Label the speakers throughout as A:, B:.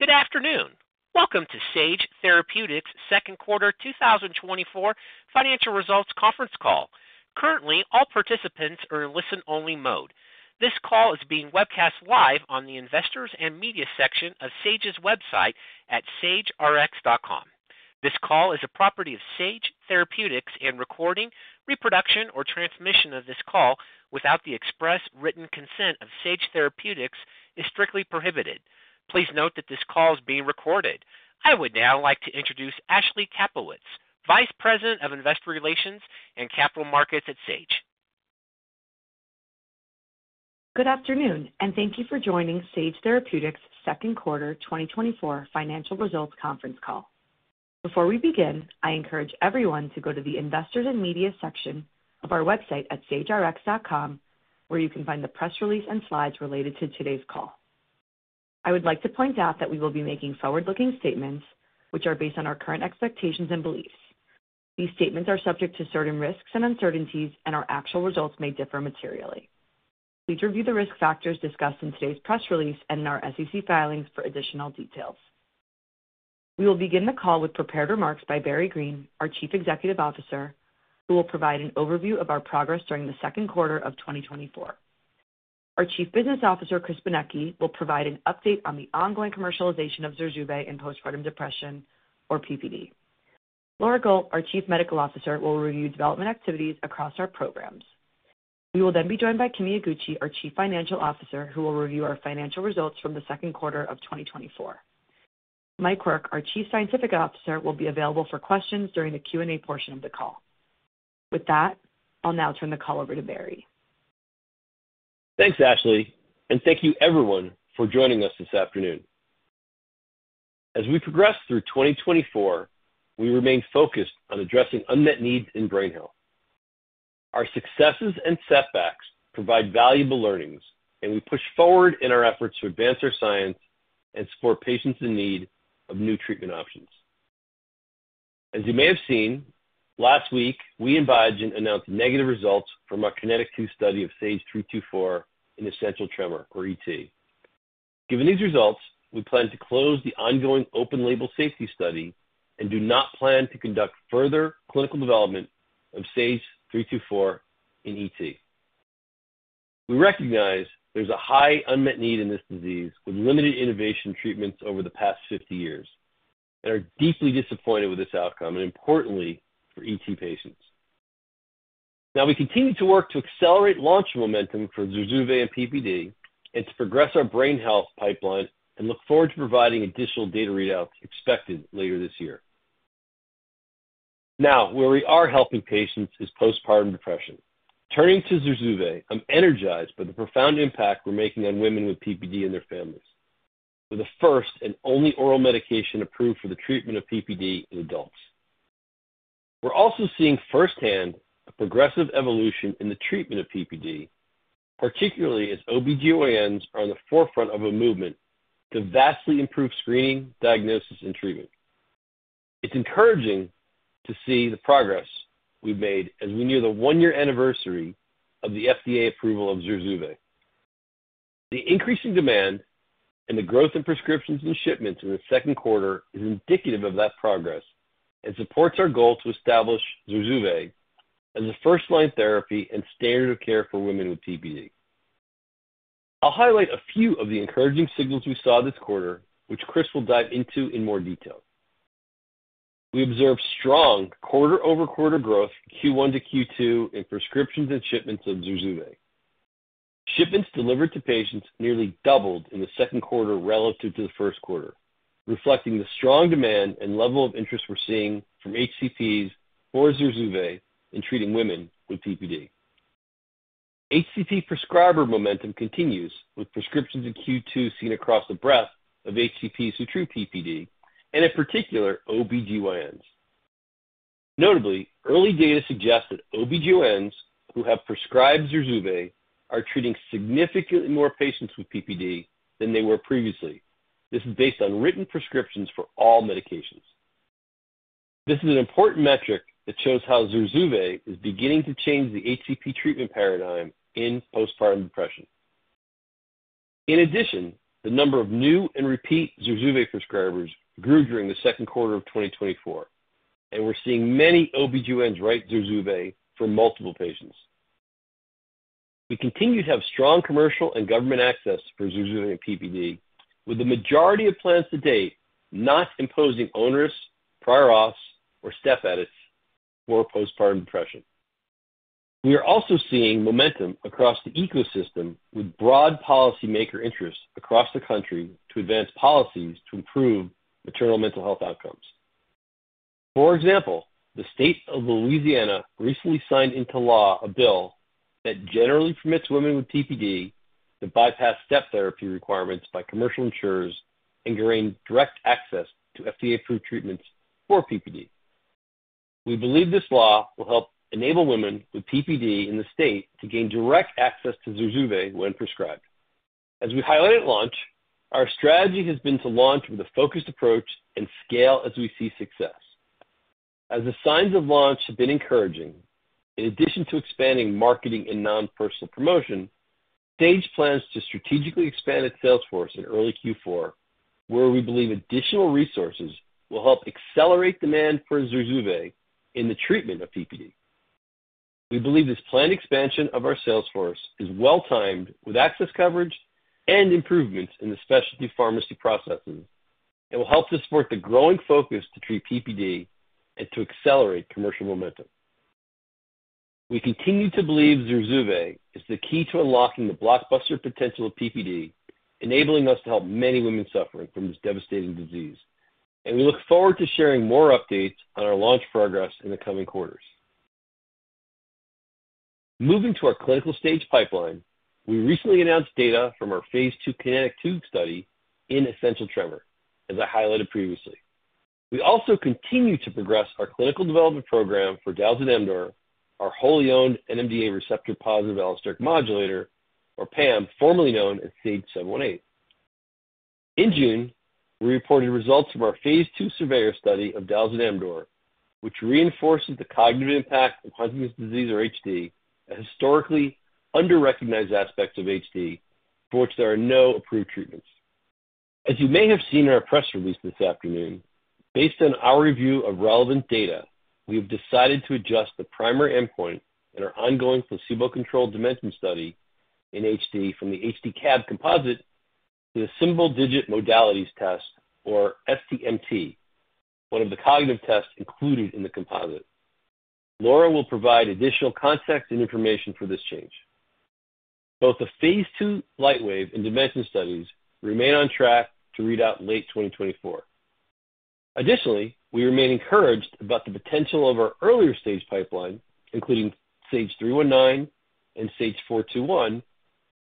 A: Good afternoon. Welcome to Sage Therapeutics' Q2 2024 Financial Results Conference Call. Currently, all participants are in listen-only mode. This call is being webcast live on the Investors and Media section of Sage's website at sagerx.com. This call is a property of Sage Therapeutics, and recording, reproduction, or transmission of this call without the express written consent of Sage Therapeutics is strictly prohibited. Please note that this call is being recorded. I would now like to introduce Ashley Kaplowitz, Vice President of Investor Relations and Capital Markets at Sage.
B: Good afternoon, and thank you for joining Sage Therapeutics' Q2 2024 Financial Results Conference Call. Before we begin, I encourage everyone to go to the Investors and Media section of our website at sagerx.com, where you can find the press release and slides related to today's call. I would like to point out that we will be making forward-looking statements which are based on our current expectations and beliefs. These statements are subject to certain risks and uncertainties, and our actual results may differ materially. Please review the risk factors discussed in today's press release and in our SEC filings for additional details. We will begin the call with prepared remarks by Barry Greene, our Chief Executive Officer, who will provide an overview of our progress during the Q2 of 2024. Our Chief Business Officer, Chris Benecchi, will provide an update on the ongoing commercialization of ZURZUVAE in postpartum depression, or PPD. Laura Gault, our Chief Medical Officer, will review development activities across our programs. We will then be joined by Kimi Iguchi, our Chief Financial Officer, who will review our financial results from the Q2 of 2024. Mike Quirk, our Chief Scientific Officer, will be available for questions during the Q&A portion of the call. With that, I'll now turn the call over to Barry.
C: Thanks, Ashley, and thank you everyone for joining us this afternoon. As we progress through 2024, we remain focused on addressing unmet needs in brain health. Our successes and setbacks provide valuable learnings, and we push forward in our efforts to advance our science and support patients in need of new treatment options. As you may have seen, last week, we and Biogen announced negative results from our KINETIC 2 study of SAGE-324 in essential tremor, or ET. Given these results, we plan to close the ongoing open label safety study and do not plan to conduct further clinical development of SAGE-324 in ET. We recognize there's a high unmet need in this disease, with limited innovation treatments over the past 50 years, and are deeply disappointed with this outcome, and importantly for ET patients. Now, we continue to work to accelerate launch momentum for ZURZUVAE and PPD and to progress our brain health pipeline and look forward to providing additional data readouts expected later this year. Now, where we are helping patients is postpartum depression. Turning to ZURZUVAE, I'm energized by the profound impact we're making on women with PPD and their families. We're the first and only oral medication approved for the treatment of PPD in adults. We're also seeing firsthand a progressive evolution in the treatment of PPD, particularly as OB-GYNs are on the forefront of a movement to vastly improve screening, diagnosis, and treatment. It's encouraging to see the progress we've made as we near the one-year anniversary of the FDA approval of ZURZUVAE. The increasing demand and the growth in prescriptions and shipments in the Q2 is indicative of that progress and supports our goal to establish ZURZUVAE as a first-line therapy and standard of care for women with PPD. I'll highlight a few of the encouraging signals we saw this quarter, which Chris will dive into in more detail. We observed strong quarter-over-quarter growth, Q1 to Q2, in prescriptions and shipments of ZURZUVAE. Shipments delivered to patients nearly doubled in the Q2 relative to the Q1, reflecting the strong demand and level of interest we're seeing from HCPs for ZURZUVAE in treating women with PPD. HCP prescriber momentum continues, with prescriptions in Q2 seen across the breadth of HCPs who treat PPD and, in particular, OB-GYNs. Notably, early data suggest that OB-GYNs who have prescribed ZURZUVAE are treating significantly more patients with PPD than they were previously. This is based on written prescriptions for all medications. This is an important metric that shows how ZURZUVAE is beginning to change the HCP treatment paradigm in postpartum depression. In addition, the number of new and repeat ZURZUVAE prescribers grew during the Q2 of 2024, and we're seeing many OB-GYNs write ZURZUVAE for multiple patients. We continue to have strong commercial and government access for ZURZUVAE and PPD, with the majority of plans to date not imposing onerous prior auths or step edits for postpartum depression. We are also seeing momentum across the ecosystem, with broad policymaker interests across the country to advance policies to improve maternal mental health outcomes. For example, the state of Louisiana recently signed into law a bill that generally permits women with PPD to bypass step therapy requirements by commercial insurers and gain direct access to FDA-approved treatments for PPD. We believe this law will help enable women with PPD in the state to gain direct access to ZURZUVAE when prescribed. As we highlighted at launch, our strategy has been to launch with a focused approach and scale as we see success. As the signs of launch have been encouraging, in addition to expanding marketing and non-personal promotion, Sage plans to strategically expand its sales force in early Q4, where we believe additional resources will help accelerate demand for ZURZUVAE in the treatment of PPD. We believe this planned expansion of our sales force is well-timed with access coverage and improvements in the specialty pharmacy processes, and will help to support the growing focus to treat PPD and to accelerate commercial momentum. We continue to believe ZURZUVAE is the key to unlocking the blockbuster potential of PPD, enabling us to help many women suffering from this devastating disease, and we look forward to sharing more updates on our launch progress in the coming quarters. Moving to our clinical stage pipeline, we recently announced data from our phase II KINETIC 2 study in essential tremor, as I highlighted previously. We also continue to progress our clinical development program for dalzanemdor, our wholly owned NMDA receptor positive allosteric modulator, or PAM, formerly known as SAGE-718. In June, we reported results from our phase II SURVEYOR study of dalzanemdor, which reinforces the cognitive impact of Huntington's disease, or HD, a historically underrecognized aspect of HD for which there are no approved treatments. As you may have seen in our press release this afternoon, based on our review of relevant data, we have decided to adjust the primary endpoint in our ongoing placebo-controlled DIMENSION study in HD from the HD-CAB composite to the Symbol Digit Modalities Test, or SDMT, one of the cognitive tests included in the composite. Laura will provide additional context and information for this change. Both the phase II LIGHTWAVE and DIMENSION studies remain on track to read out in late 2024. Additionally, we remain encouraged about the potential of our earlier stage pipeline, including SAGE-319 and SAGE-421,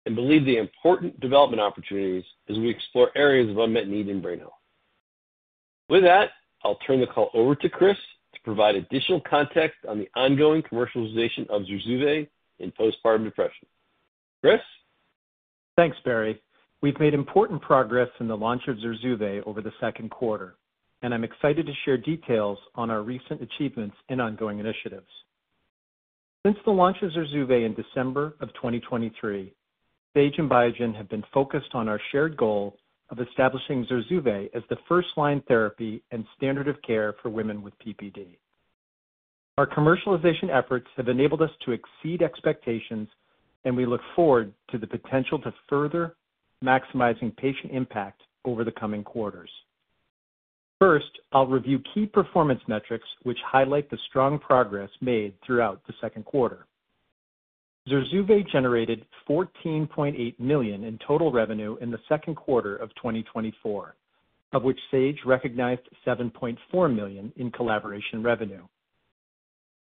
C: and believe the important development opportunities as we explore areas of unmet need in brain health. With that, I'll turn the call over to Chris to provide additional context on the ongoing commercialization of ZURZUVAE in postpartum depression. Chris?
D: Thanks, Barry. We've made important progress in the launch of ZURZUVAE over the Q2, and I'm excited to share details on our recent achievements and ongoing initiatives. Since the launch of ZURZUVAE in December of 2023, Sage and Biogen have been focused on our shared goal of establishing ZURZUVAE as the first-line therapy and standard of care for women with PPD. Our commercialization efforts have enabled us to exceed expectations, and we look forward to the potential to further maximizing patient impact over the coming quarters. First, I'll review key performance metrics, which highlight the strong progress made throughout the Q2. ZURZUVAE generated $14.8 million in total revenue in the Q2 of 2024, of which Sage recognized $7.4 million in collaboration revenue.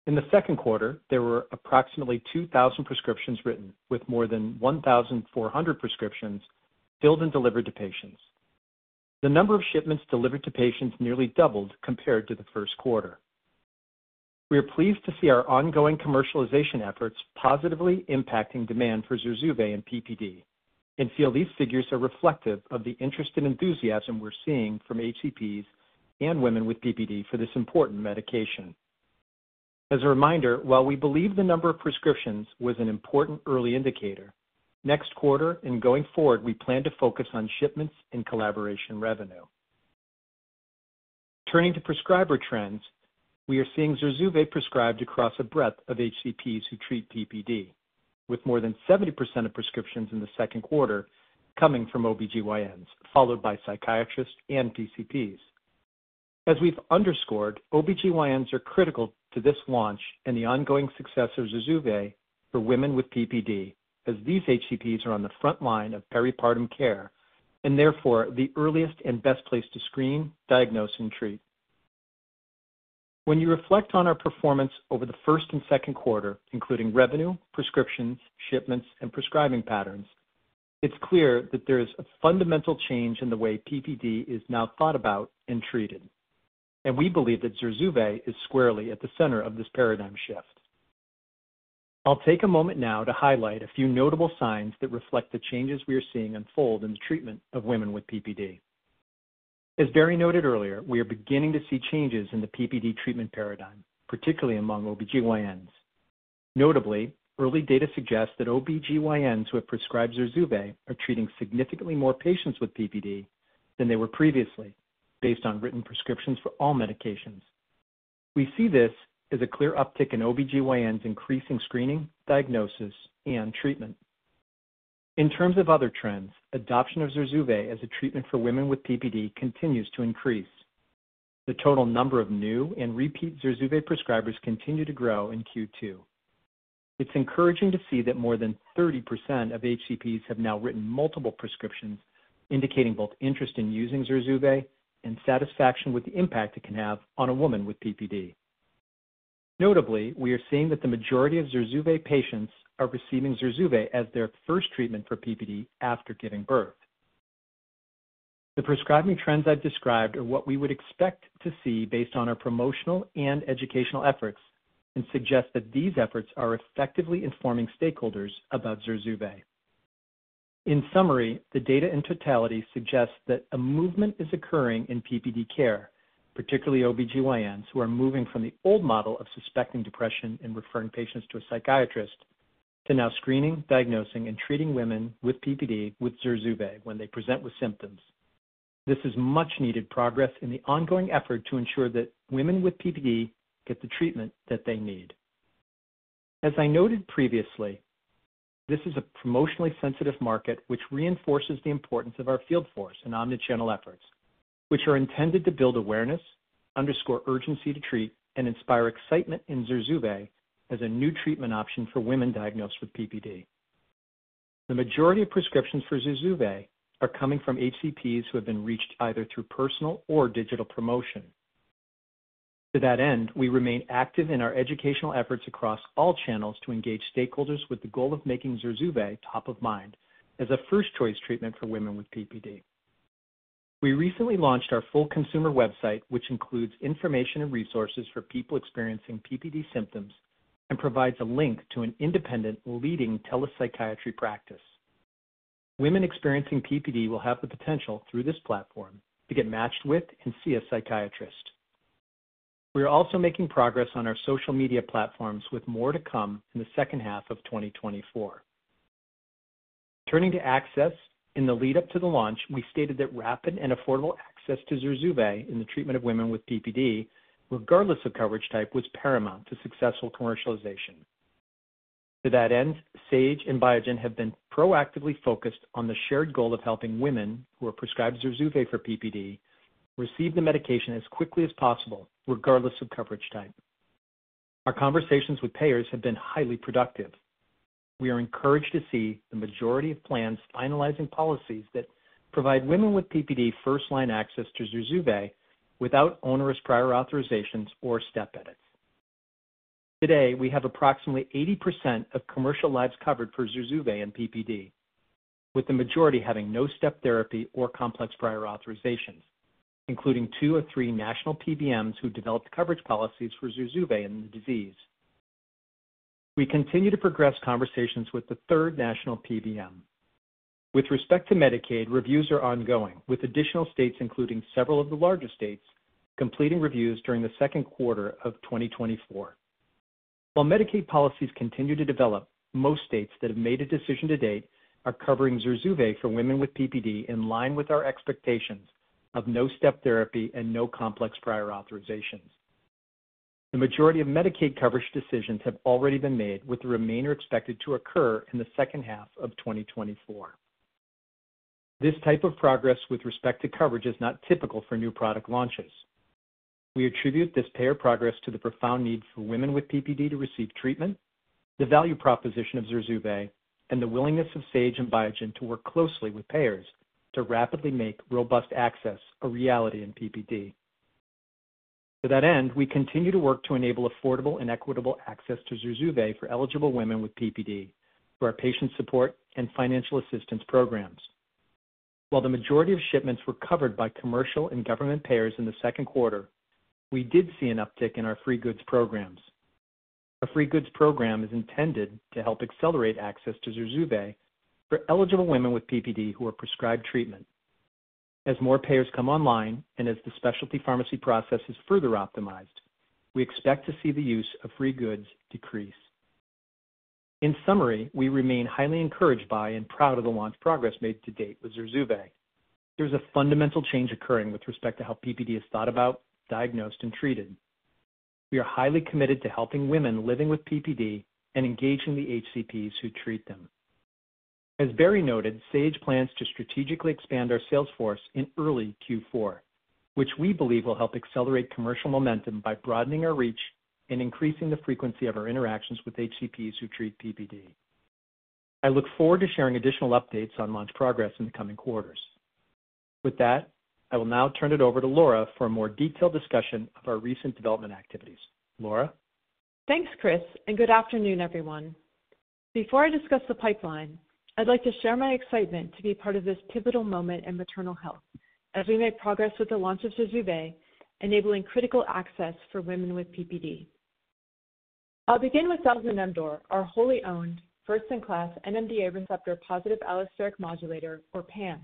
D: In the Q2, there were approximately 2,000 prescriptions written, with more than 1,400 prescriptions filled and delivered to patients. The number of shipments delivered to patients nearly doubled compared to the Q1. We are pleased to see our ongoing commercialization efforts positively impacting demand for ZURZUVAE in PPD and feel these figures are reflective of the interest and enthusiasm we're seeing from HCPs and women with PPD for this important medication. As a reminder, while we believe the number of prescriptions was an important early indicator, next quarter and going forward, we plan to focus on shipments and collaboration revenue. Turning to prescriber trends, we are seeing ZURZUVAE prescribed across a breadth of HCPs who treat PPD, with more than 70% of prescriptions in the Q2 coming from OB-GYNs, followed by psychiatrists and PCPs. As we've underscored, OB-GYNs are critical to this launch and the ongoing success of ZURZUVAE for women with PPD, as these HCPs are on the front line of peripartum care and therefore the earliest and best place to screen, diagnose, and treat. When you reflect on our performance over the first and Q2, including revenue, prescriptions, shipments, and prescribing patterns, it's clear that there is a fundamental change in the way PPD is now thought about and treated, and we believe that ZURZUVAE is squarely at the center of this paradigm shift. I'll take a moment now to highlight a few notable signs that reflect the changes we are seeing unfold in the treatment of women with PPD. As Barry noted earlier, we are beginning to see changes in the PPD treatment paradigm, particularly among OB-GYNs. Notably, early data suggests that OB-GYNs who have prescribed ZURZUVAE are treating significantly more patients with PPD than they were previously, based on written prescriptions for all medications. We see this as a clear uptick in OB-GYNs, increasing screening, diagnosis, and treatment. In terms of other trends, adoption of ZURZUVAE as a treatment for women with PPD continues to increase. The total number of new and repeat ZURZUVAE prescribers continue to grow in Q2. It's encouraging to see that more than 30% of HCPs have now written multiple prescriptions, indicating both interest in using ZURZUVAE and satisfaction with the impact it can have on a woman with PPD. Notably, we are seeing that the majority of ZURZUVAE patients are receiving ZURZUVAE as their first treatment for PPD after giving birth. The prescribing trends I've described are what we would expect to see based on our promotional and educational efforts, and suggest that these efforts are effectively informing stakeholders about ZURZUVAE. In summary, the data in totality suggests that a movement is occurring in PPD care, particularly OB-GYNs, who are moving from the old model of suspecting depression and referring patients to a psychiatrist, to now screening, diagnosing, and treating women with PPD with ZURZUVAE when they present with symptoms. This is much-needed progress in the ongoing effort to ensure that women with PPD get the treatment that they need. As I noted previously, this is a promotionally sensitive market, which reinforces the importance of our field force and omni-channel efforts, which are intended to build awareness, underscore urgency to treat, and inspire excitement in ZURZUVAE as a new treatment option for women diagnosed with PPD. The majority of prescriptions for ZURZUVAE are coming from HCPs who have been reached either through personal or digital promotion. To that end, we remain active in our educational efforts across all channels to engage stakeholders with the goal of making ZURZUVAE top of mind as a first choice treatment for women with PPD. We recently launched our full consumer website, which includes information and resources for people experiencing PPD symptoms and provides a link to an independent leading telepsychiatry practice. Women experiencing PPD will have the potential, through this platform, to get matched with and see a psychiatrist. We are also making progress on our social media platforms, with more to come in the second half of 2024. Turning to access, in the lead-up to the launch, we stated that rapid and affordable access to ZURZUVAE in the treatment of women with PPD, regardless of coverage type, was paramount to successful commercialization. To that end, Sage and Biogen have been proactively focused on the shared goal of helping women who are prescribed ZURZUVAE for PPD receive the medication as quickly as possible, regardless of coverage type. Our conversations with payers have been highly productive. We are encouraged to see the majority of plans finalizing policies that provide women with PPD first-line access to ZURZUVAE without onerous prior authorizations or step edits. Today, we have approximately 80% of commercial lives covered for ZURZUVAE in PPD, with the majority having no step therapy or complex prior authorizations, including two of three national PBMs who developed coverage policies for ZURZUVAE in the disease. We continue to progress conversations with the third national PBM. With respect to Medicaid, reviews are ongoing, with additional states, including several of the larger states, completing reviews during the Q2 of 2024. While Medicaid policies continue to develop, most states that have made a decision to date are covering ZURZUVAE for women with PPD, in line with our expectations of no step therapy and no complex prior authorizations. The majority of Medicaid coverage decisions have already been made, with the remainder expected to occur in the second half of 2024. This type of progress with respect to coverage is not typical for new product launches. We attribute this payer progress to the profound need for women with PPD to receive treatment, the value proposition of ZURZUVAE, and the willingness of Sage and Biogen to work closely with payers to rapidly make robust access a reality in PPD. To that end, we continue to work to enable affordable and equitable access to ZURZUVAE for eligible women with PPD through our patient support and financial assistance programs. While the majority of shipments were covered by commercial and government payers in the Q2, we did see an uptick in our free goods programs. A free goods program is intended to help accelerate access to ZURZUVAE for eligible women with PPD who are prescribed treatment. As more payers come online and as the specialty pharmacy process is further optimized, we expect to see the use of free goods decrease. In summary, we remain highly encouraged by and proud of the launch progress made to date with ZURZUVAE. There is a fundamental change occurring with respect to how PPD is thought about, diagnosed, and treated. We are highly committed to helping women living with PPD and engaging the HCPs who treat them. As Barry noted, Sage plans to strategically expand our sales force in early Q4, which we believe will help accelerate commercial momentum by broadening our reach and increasing the frequency of our interactions with HCPs who treat PPD. I look forward to sharing additional updates on launch progress in the coming quarters. With that, I will now turn it over to Laura for a more detailed discussion of our recent development activities. Laura?
E: Thanks, Chris, and good afternoon, everyone. Before I discuss the pipeline, I'd like to share my excitement to be part of this pivotal moment in maternal health as we make progress with the launch of ZURZUVAE, enabling critical access for women with PPD. I'll begin with dalzanemdor, our wholly owned, first-in-class, NMDA receptor positive allosteric modulator, or PAM,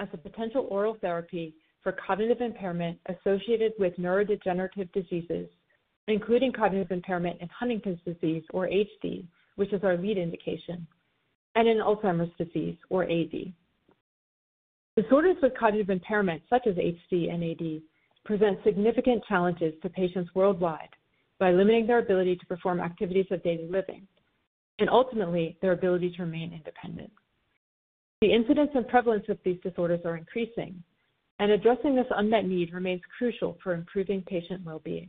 E: as a potential oral therapy for cognitive impairment associated with neurodegenerative diseases, including cognitive impairment in Huntington's disease, or HD, which is our lead indication, and in Alzheimer's disease, or AD. Disorders with cognitive impairment, such as HD and AD, present significant challenges to patients worldwide by limiting their ability to perform activities of daily living and ultimately their ability to remain independent. The incidence and prevalence of these disorders are increasing, and addressing this unmet need remains crucial for improving patient well-being.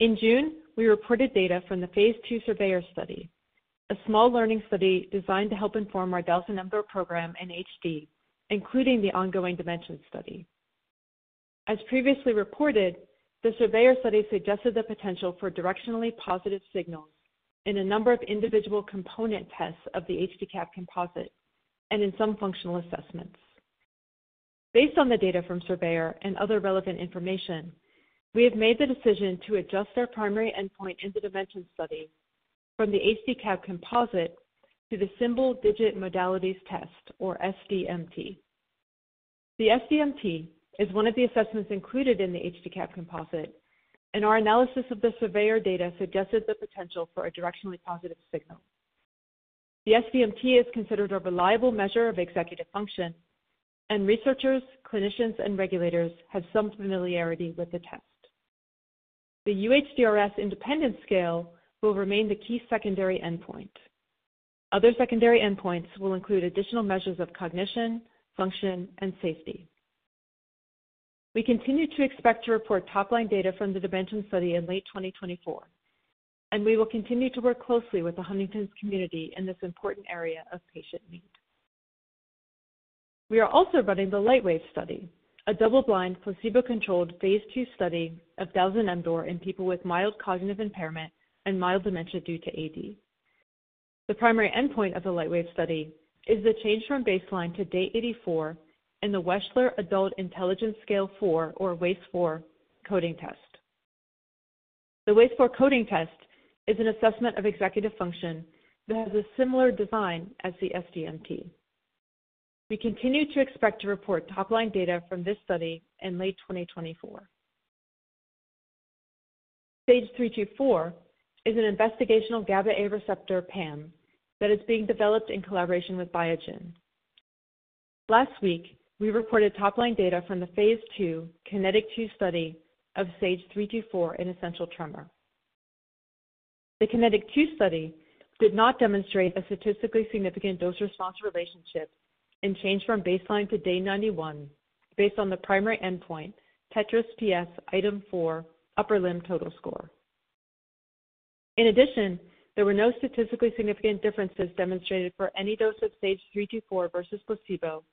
E: In June, we reported data from the phase II SURVEYOR study, a small learning study designed to help inform our dalzanemdor program in HD, including the ongoing DIMENSION study. As previously reported, the SURVEYOR study suggested the potential for directionally positive signals in a number of individual component tests of the HD-CAB composite and in some functional assessments. Based on the data from SURVEYOR and other relevant information, we have made the decision to adjust our primary endpoint in the DIMENSION study from the HD-CAB composite to the Symbol Digit Modalities Test, or SDMT. The SDMT is one of the assessments included in the HD-CAB composite, and our analysis of the SURVEYOR data suggested the potential for a directionally positive signal. The SDMT is considered a reliable measure of executive function, and researchers, clinicians, and regulators have some familiarity with the test. The UHDRS Independence Scale will remain the key secondary endpoint. Other secondary endpoints will include additional measures of cognition, function, and safety. We continue to expect to report top line data from the DIMENSION study in late 2024, and we will continue to work closely with the Huntington's community in this important area of patient need. We are also running the LIGHTWAVE study, a double-blind, placebo-controlled phase II study of dalzanemdor in people with mild cognitive impairment and mild dementia due to AD. The primary endpoint of the LIGHTWAVE study is the change from baseline to day 84 in the Wechsler Adult Intelligence Scale-IV, or WAIS-IV, coding test. The WAIS-IV coding test is an assessment of executive function that has a similar design as the SDMT. We continue to expect to report top line data from this study in late 2024. SAGE-324 is an investigational GABA-A receptor PAM that is being developed in collaboration with Biogen. Last week, we reported top line data from the phase 2 KINETIC 2 study of SAGE-324 in essential tremor. The KINETIC 2 study did not demonstrate a statistically significant dose-response relationship in change from baseline to day 91, based on the primary endpoint, TETRAS-PS item 4, upper limb total score. In addition, there were no statistically significant differences demonstrated for any dose of SAGE-324 versus placebo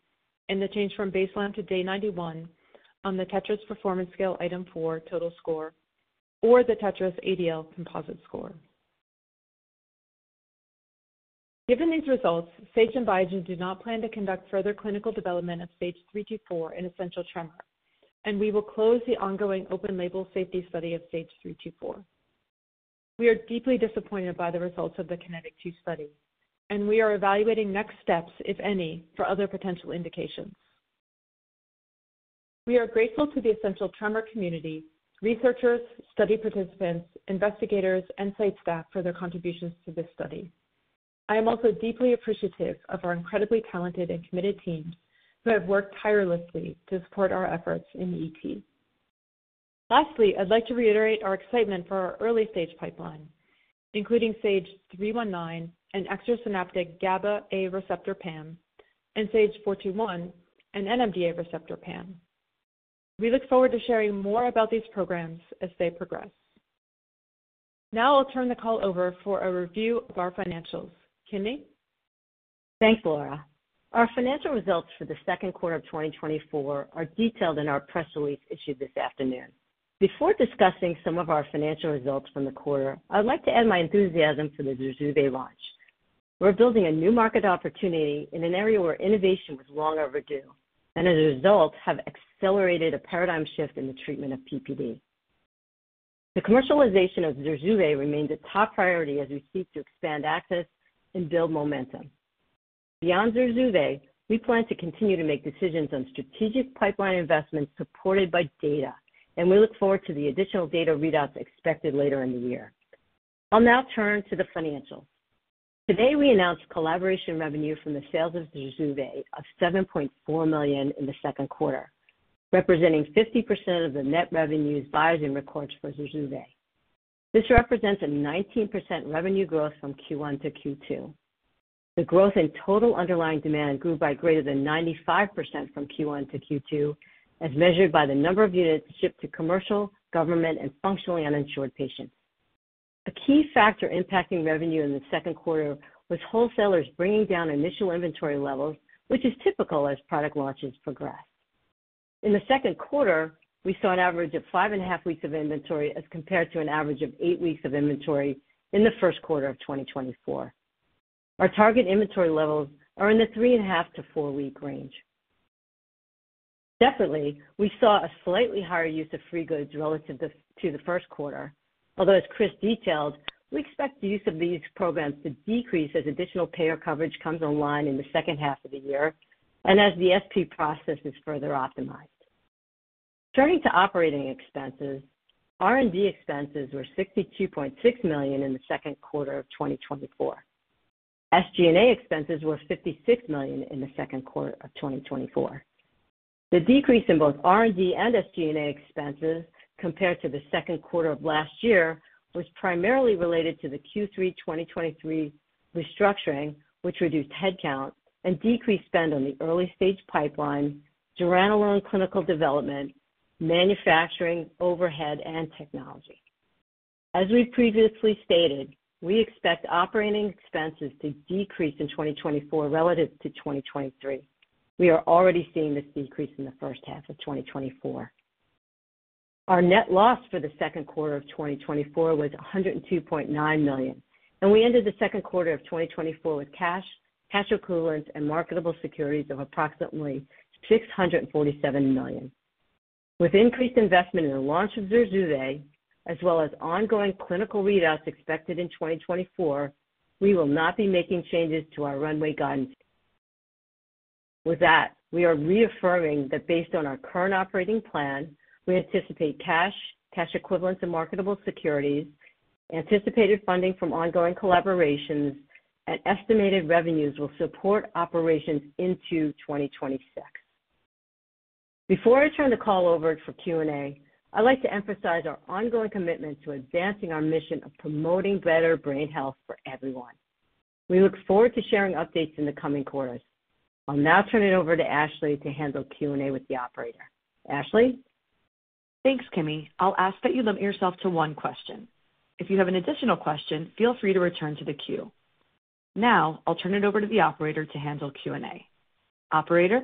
E: in the change from baseline to day 91 on the TETRAS performance scale item 4 total score, or the TETRAS-ADL composite score. Given these results, SAGE and Biogen do not plan to conduct further clinical development of SAGE-324 in essential tremor, and we will close the ongoing open-label safety study of SAGE-324. We are deeply disappointed by the results of the KINETIC 2 study, and we are evaluating next steps, if any, for other potential indications. We are grateful to the essential tremor community, researchers, study participants, investigators, and site staff for their contributions to this study. I am also deeply appreciative of our incredibly talented and committed teams who have worked tirelessly to support our efforts in ET. Lastly, I'd like to reiterate our excitement for our early-stage pipeline, including SAGE-319, an extrasynaptic GABA-A receptor PAM, and SAGE-421, an NMDA receptor PAM. We look forward to sharing more about these programs as they progress. Now I'll turn the call over for a review of our financials. Kimi?
F: Thanks, Laura. Our financial results for the Q2 of 2024 are detailed in our press release issued this afternoon. Before discussing some of our financial results from the quarter, I'd like to add my enthusiasm for the ZURZUVAE launch. We're building a new market opportunity in an area where innovation was long overdue, and as a result, have accelerated a paradigm shift in the treatment of PPD. The commercialization of ZURZUVAE remains a top priority as we seek to expand access and build momentum. Beyond ZURZUVAE, we plan to continue to make decisions on strategic pipeline investments supported by data, and we look forward to the additional data readouts expected later in the year. I'll now turn to the financials. Today, we announced collaboration revenue from the sales of ZURZUVAE of $7.4 million in the Q2, representing 50% of the net revenues Biogen records for ZURZUVAE. This represents a 19% revenue growth from Q1 to Q2. The growth in total underlying demand grew by greater than 95% from Q1 to Q2, as measured by the number of units shipped to commercial, government, and functionally uninsured patients. A key factor impacting revenue in the Q2 was wholesalers bringing down initial inventory levels, which is typical as product launches progress. In the Q2, we saw an average of 5.5 weeks of inventory, as compared to an average of 8 weeks of inventory in the Q1 of 2024. Our target inventory levels are in the 3.5-4-week range. Definitely, we saw a slightly higher use of free goods relative to, to the Q1, although, as Chris detailed, we expect the use of these programs to decrease as additional payer coverage comes online in the second half of the year and as the SP process is further optimized. Turning to operating expenses, R&D expenses were $62.6 million in the Q2 of 2024. SG&A expenses were $56 million in the Q2 of 2024. The decrease in both R&D and SG&A expenses compared to the Q2 of last year, was primarily related to the Q3 2023 restructuring, which reduced headcount and decreased spend on the early stage pipeline, zuranolone clinical development, manufacturing, overhead, and technology. As we've previously stated, we expect operating expenses to decrease in 2024 relative to 2023. We are already seeing this decrease in the first half of 2024. Our net loss for the Q2 of 2024 was $102.9 million, and we ended the Q2 of 2024 with cash, cash equivalents, and marketable securities of approximately $647 million. With increased investment in the launch of ZURZUVAE, as well as ongoing clinical readouts expected in 2024, we will not be making changes to our runway guidance. With that, we are reaffirming that based on our current operating plan, we anticipate cash, cash equivalents, and marketable securities, anticipated funding from ongoing collaborations, and estimated revenues will support operations into 2026. Before I turn the call over for Q&A, I'd like to emphasize our ongoing commitment to advancing our mission of promoting better brain health for everyone. We look forward to sharing updates in the coming quarters. I'll now turn it over to Ashley to handle Q&A with the operator. Ashley?
B: Thanks, Kimi. I'll ask that you limit yourself to one question. If you have an additional question, feel free to return to the queue. Now, I'll turn it over to the operator to handle Q&A. Operator?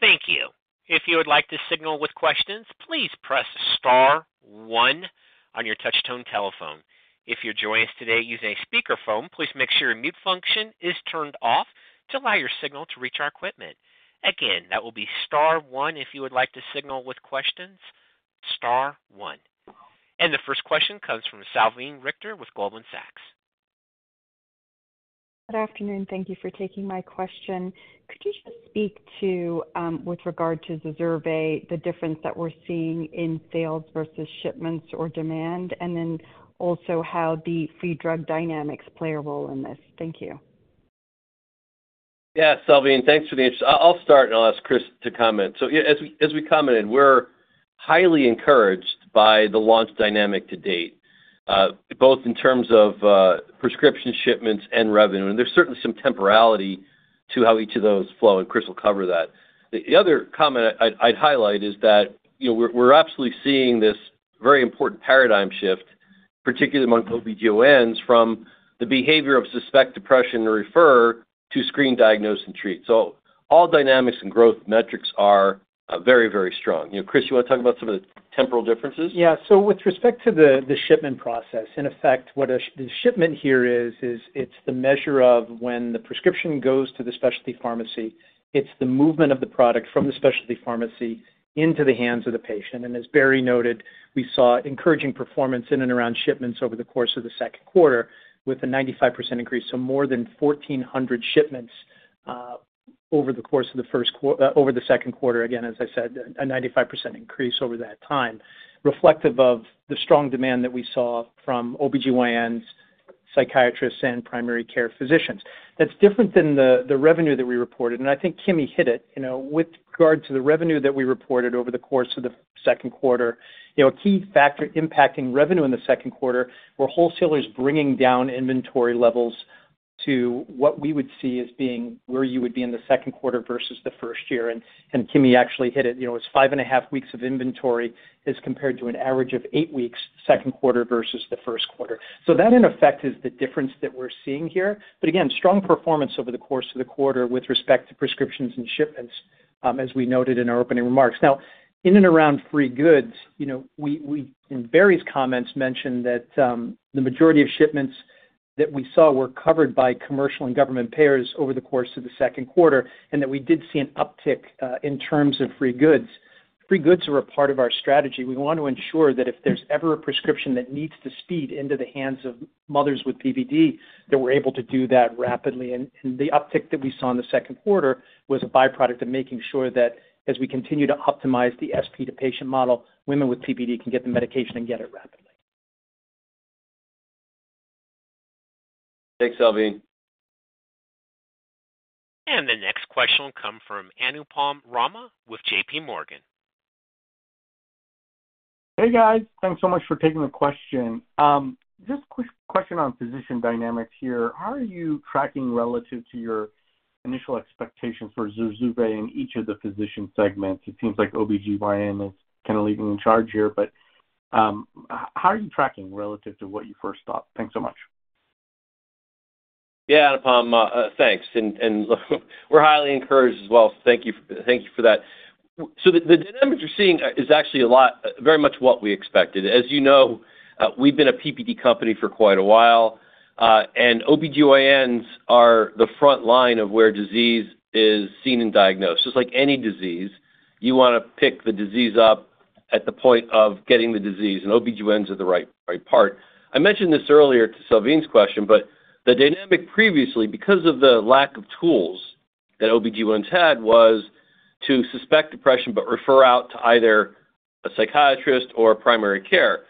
A: Thank you. If you would like to signal with questions, please press star one on your touchtone telephone. If you're joining us today using a speakerphone, please make sure your mute function is turned off to allow your signal to reach our equipment. Again, that will be star one if you would like to signal with questions, star one. The first question comes from Salveen Richter with Goldman Sachs.
G: Good afternoon. Thank you for taking my question. Could you just speak to, with regard to ZURZUVAE, the difference that we're seeing in sales versus shipments or demand, and then also how the free drug dynamics play a role in this? Thank you.
C: Yeah, Salveen, thanks for the interest. I'll start, and I'll ask Chris to comment. So yeah, as we commented, we're highly encouraged by the launch dynamic to date, both in terms of prescription shipments and revenue. And there's certainly some temporality to how each of those flow, and Chris will cover that. The other comment I'd highlight is that, you know, we're absolutely seeing this very important paradigm shift, particularly among OB-GYNs, from the behavior of suspect depression to refer, to screen, diagnose, and treat. So all dynamics and growth metrics are very, very strong. You know, Chris, you want to talk about some of the temporal differences?
D: Yeah. So with respect to the shipment process, in effect, what the shipment here is, is it's the measure of when the prescription goes to the specialty pharmacy. It's the movement of the product from the specialty pharmacy into the hands of the patient. And as Barry noted, we saw encouraging performance in and around shipments over the course of the Q2, with a 95% increase. So more than 1,400 shipments over the course of the Q2. Again, as I said, a 95% increase over that time, reflective of the strong demand that we saw from OB-GYNs, psychiatrists, and primary care physicians. That's different than the revenue that we reported, and I think Kimi hit it. You know, with regard to the revenue that we reported over the course of the Q2, you know, a key factor impacting revenue in the Q2 were wholesalers bringing down inventory levels to what we would see as being where you would be in the Q2 versus the first year. And Kimi actually hit it, you know, it's 5.5 weeks of inventory as compared to an average of 8 weeks, Q2 versus the Q1. So that, in effect, is the difference that we're seeing here. But again, strong performance over the course of the quarter with respect to prescriptions and shipments, as we noted in our opening remarks. Now, in and around free goods, you know, we in Barry's comments mentioned that the majority of shipments that we saw were covered by commercial and government payers over the course of the Q2, and that we did see an uptick in terms of free goods. Free goods are a part of our strategy. We want to ensure that if there's ever a prescription that needs to speed into the hands of mothers with PPD, that we're able to do that rapidly. And the uptick that we saw in the Q2 was a byproduct of making sure that as we continue to optimize the SP to patient model, women with PPD can get the medication and get it rapidly.
C: Thanks, Salveen.
A: The next question will come from Anupam Rama with JPMorgan.
G: Hey, guys. Thanks so much for taking the question. Just quick question on physician dynamics here. How are you tracking relative to your initial expectations for ZURZUVAE in each of the physician segments? It seems like OB-GYN is kinda leading the charge here, but how are you tracking relative to what you first thought? Thanks so much.
C: Yeah, Anupam, thanks, and we're highly encouraged as well. So thank you, thank you for that. So the dynamics we're seeing is actually a lot very much what we expected. As you know, we've been a PPD company for quite a while, and OB-GYNs are the front line of where disease is seen and diagnosed. Just like any disease, you wanna pick the disease up at the point of getting the disease, and OB-GYNs are the right, right part. I mentioned this earlier to Salveen's question, but the dynamic previously, because of the lack of tools that OB-GYNs had, was to suspect depression, but refer out to either a psychiatrist or a primary care.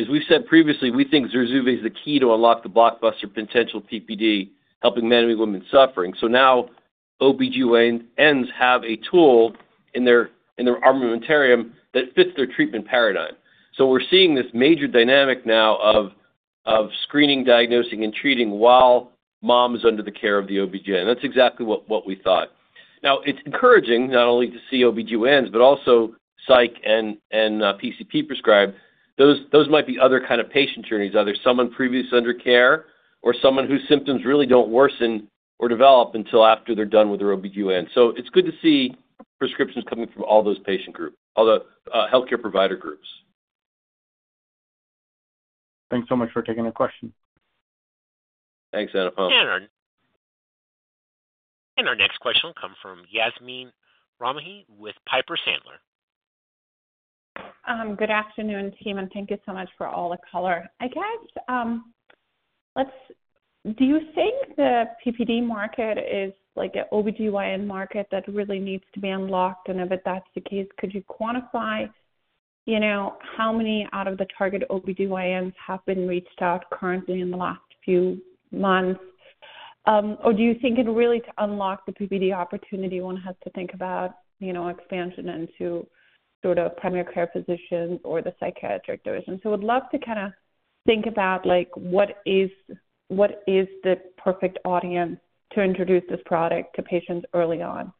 C: As we've said previously, we think ZURZUVAE is the key to unlock the blockbuster potential PPD, helping many women suffering. So now, OB-GYNs have a tool in their, in their armamentarium that fits their treatment paradigm. So we're seeing this major dynamic now of screening, diagnosing, and treating while mom is under the care of the OB-GYN. That's exactly what we thought. Now, it's encouraging not only to see OB-GYNs, but also psych and PCP prescribe. Those might be other kind of patient journeys, either someone previously under care or someone whose symptoms really don't worsen or develop until after they're done with their OB-GYN. So it's good to see prescriptions coming from all those patient groups, all the healthcare provider groups.
G: Thanks so much for taking the question.
C: Thanks, Anupam.
A: Our next question will come from Yasmeen Rahimi with Piper Sandler.
G: Good afternoon, team, and thank you so much for all the color. I guess, do you think the PPD market is like an OB-GYN market that really needs to be unlocked? And if that's the case, could you quantify, you know, how many out of the target OB-GYNs have been reached out currently in the last few months? Or do you think it really to unlock the PPD opportunity, one has to think about, you know, expansion into sort of primary care physician or the psychiatric division? So would love to kinda think about, like, what is, what is the perfect audience to introduce this product to patients early on?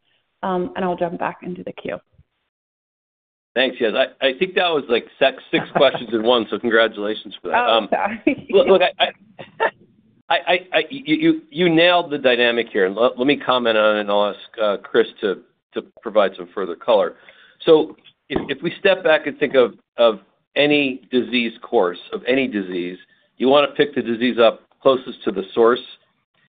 G: And I'll jump back into the queue.
C: Thanks, Yas. I think that was, like, six questions in one, so congratulations for that.
G: Oh, sorry.
C: Look, I, you nailed the dynamic here. Let me comment on it, and I'll ask Chris to provide some further color. So if we step back and think of any disease course, of any disease, you wanna pick the disease up closest to the source,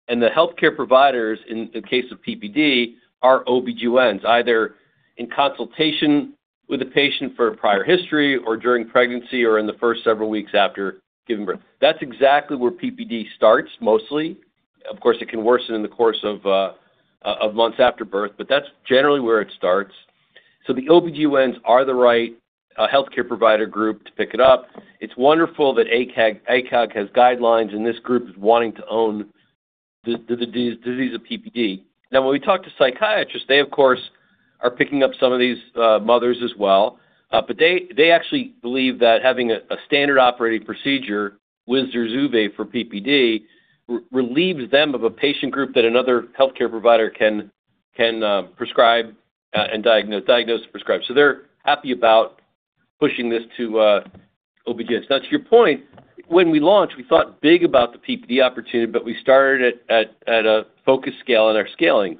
C: and the healthcare providers, in the case of PPD, are OB-GYNs, either in consultation with a patient for a prior history or during pregnancy or in the first several weeks after giving birth. That's exactly where PPD starts, mostly. Of course, it can worsen in the course of months after birth, but that's generally where it starts. So the OB-GYNs are the right healthcare provider group to pick it up. It's wonderful that ACOG has guidelines, and this group is wanting to own the disease of PPD. Now, when we talk to psychiatrists, they, of course, are picking up some of these mothers as well. But they actually believe that having a standard operating procedure with ZURZUVAE for PPD relieves them of a patient group that another healthcare provider can prescribe and diagnose and prescribe. So they're happy about pushing this to OB-GYNs. Now, to your point, when we launched, we thought big about the PPD opportunity, but we started it at a focus scale and are scaling.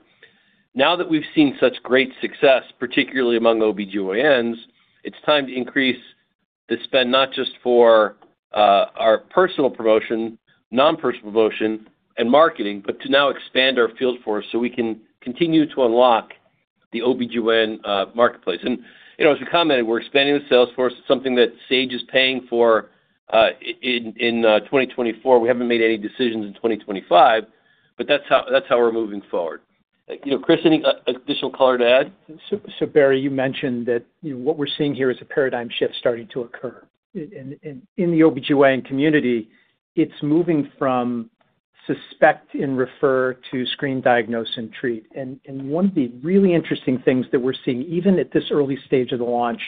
C: Now that we've seen such great success, particularly among OB-GYNs, it's time to increase the spend, not just for our personal promotion, non-personal promotion and marketing, but to now expand our field force so we can continue to unlock the OB-GYN marketplace. And, you know, as we commented, we're expanding the sales force. It's something that Sage is paying for in 2024. We haven't made any decisions in 2025, but that's how we're moving forward. You know, Chris, any additional color to add?
D: So, Barry, you mentioned that, you know, what we're seeing here is a paradigm shift starting to occur. In the OB-GYN community, it's moving from suspect and refer to screen, diagnose, and treat. And one of the really interesting things that we're seeing, even at this early stage of the launch,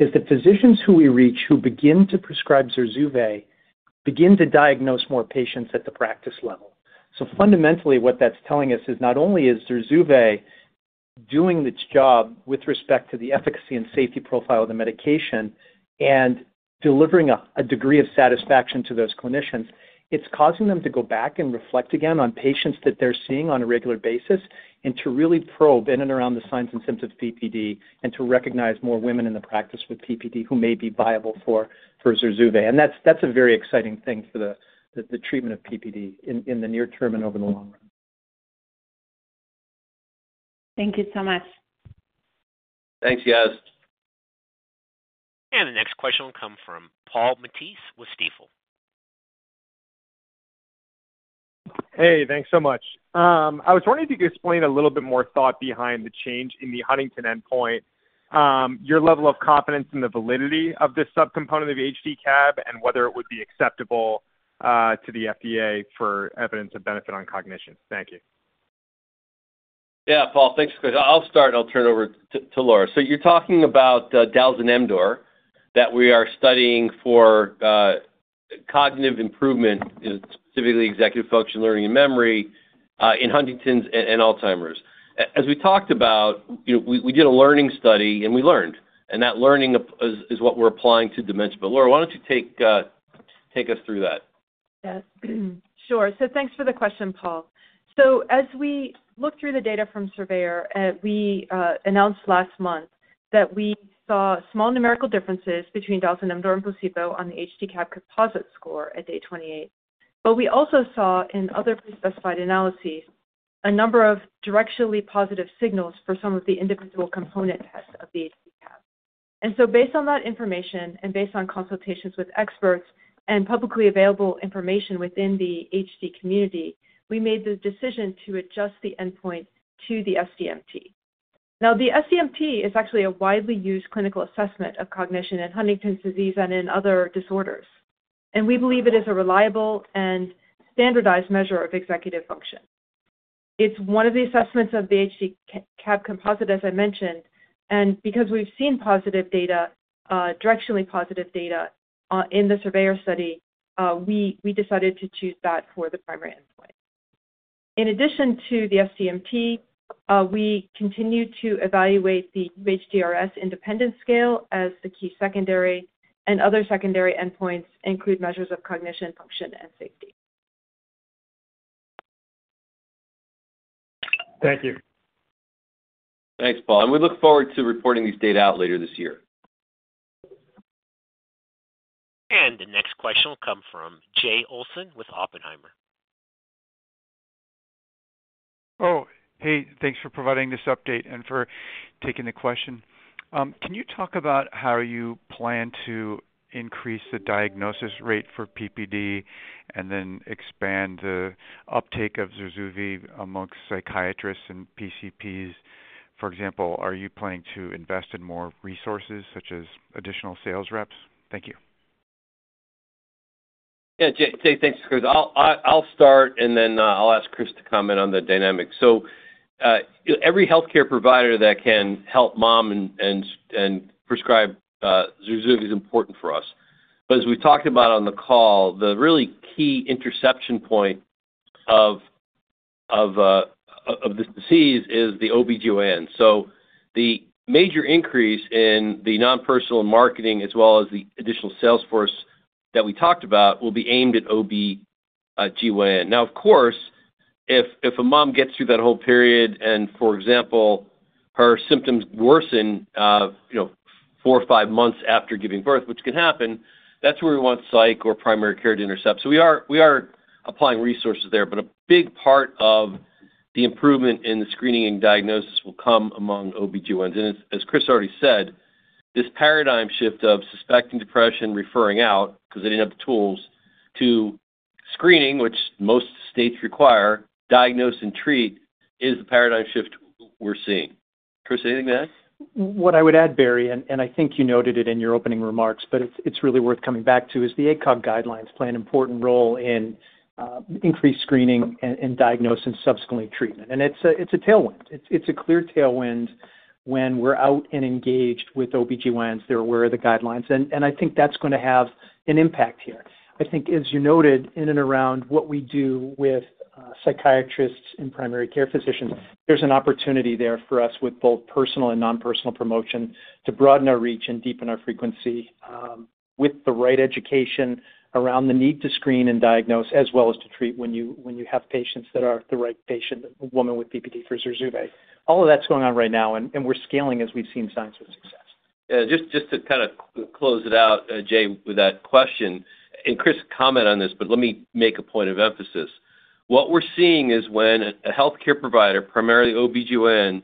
D: is the physicians who we reach, who begin to prescribe ZURZUVAE, begin to diagnose more patients at the practice level. So fundamentally, what that's telling us is not only is ZURZUVAE doing its job with respect to the efficacy and safety profile of the medication and delivering a, a degree of satisfaction to those clinicians, it's causing them to go back and reflect again on patients that they're seeing on a regular basis, and to really probe in and around the signs and symptoms of PPD and to recognize more women in the practice with PPD who may be viable for, for ZURZUVAE. And that's, that's a very exciting thing for the, the, the treatment of PPD in, in the near term and over the long run.
G: Thank you so much.
C: Thanks, Yas.
A: The next question will come from Paul Matteis with Stifel.
G: Hey, thanks so much. I was wondering if you could explain a little bit more thought behind the change in the Huntington endpoint, your level of confidence in the validity of this subcomponent of HD-CAB, and whether it would be acceptable to the FDA for evidence of benefit on cognition? Thank you.
C: Yeah, Paul, thanks. I'll start, and I'll turn it over to Laura. So you're talking about dalzanemdor, that we are studying for cognitive improvement, in specifically executive function, learning and memory, in Huntington's and Alzheimer's. As we talked about, you know, we did a learning study, and we learned, and that learning is what we're applying to dementia. But, Laura, why don't you take us through that?
E: Yes. Sure. So thanks for the question, Paul. So as we looked through the data from SURVEYOR, we announced last month that we saw small numerical differences between dalzanemdor and placebo on the HD-CAB composite score at day 28. But we also saw in other pre-specified analyses, a number of directionally positive signals for some of the individual component tests of the HD-CAB. And so based on that information and based on consultations with experts and publicly available information within the HD community, we made the decision to adjust the endpoint to the SDMT. Now, the SDMT is actually a widely used clinical assessment of cognition in Huntington's disease and in other disorders, and we believe it is a reliable and standardized measure of executive function. It's one of the assessments of the HD-CAB composite, as I mentioned, and because we've seen positive data, directionally positive data, in the SURVEYOR study, we decided to choose that for the primary endpoint. In addition to the SDMT, we continue to evaluate the UHDRS Independence Scale as the key secondary and other secondary endpoints include measures of cognition, function, and safety.
G: Thank you.
C: Thanks, Paul. We look forward to reporting these data out later this year.
A: The next question will come from Jay Olson with Oppenheimer.
G: Oh, hey, thanks for providing this update and for taking the question. Can you talk about how you plan to increase the diagnosis rate for PPD and then expand the uptake of ZURZUVAE amongst psychiatrists and PCPs? For example, are you planning to invest in more resources, such as additional sales reps? Thank you.
C: Yeah, Jay. Jay, thanks. I'll start, and then I'll ask Chris to comment on the dynamics. So, every healthcare provider that can help mom and prescribe ZURZUVAE is important for us. But as we talked about on the call, the really key interception point of this disease is the OB-GYN. So the major increase in the non-personal marketing, as well as the additional sales force that we talked about, will be aimed at OB-GYN. Now, of course, if a mom gets through that whole period and, for example, her symptoms worsen, you know, four or five months after giving birth, which can happen, that's where we want psych or primary care to intercept. So we are applying resources there, but a big part of the improvement in the screening and diagnosis will come among OB-GYNs. And as Chris already said, this paradigm shift of suspecting depression, referring out, 'cause they didn't have the tools, to screening, which most states require, diagnose and treat, is the paradigm shift we're seeing. Chris, anything to add?
D: What I would add, Barry, and I think you noted it in your opening remarks, but it's really worth coming back to, is the ACOG guidelines play an important role in increased screening and diagnosis and subsequently treatment. And it's a tailwind. It's a clear tailwind when we're out and engaged with OB-GYNs. They're aware of the guidelines, and I think that's gonna have an impact here. I think, as you noted, in and around what we do with psychiatrists and primary care physicians, there's an opportunity there for us with both personal and non-personal promotion to broaden our reach and deepen our frequency, with the right education around the need to screen and diagnose, as well as to treat when you have patients that are the right patient, a woman with PPD for ZURZUVAE. All of that's going on right now, and we're scaling as we've seen signs of success.
C: Yeah, just to kinda close it out, Jay, with that question, and Chris, comment on this, but let me make a point of emphasis. What we're seeing is when a healthcare provider, primarily OB-GYN,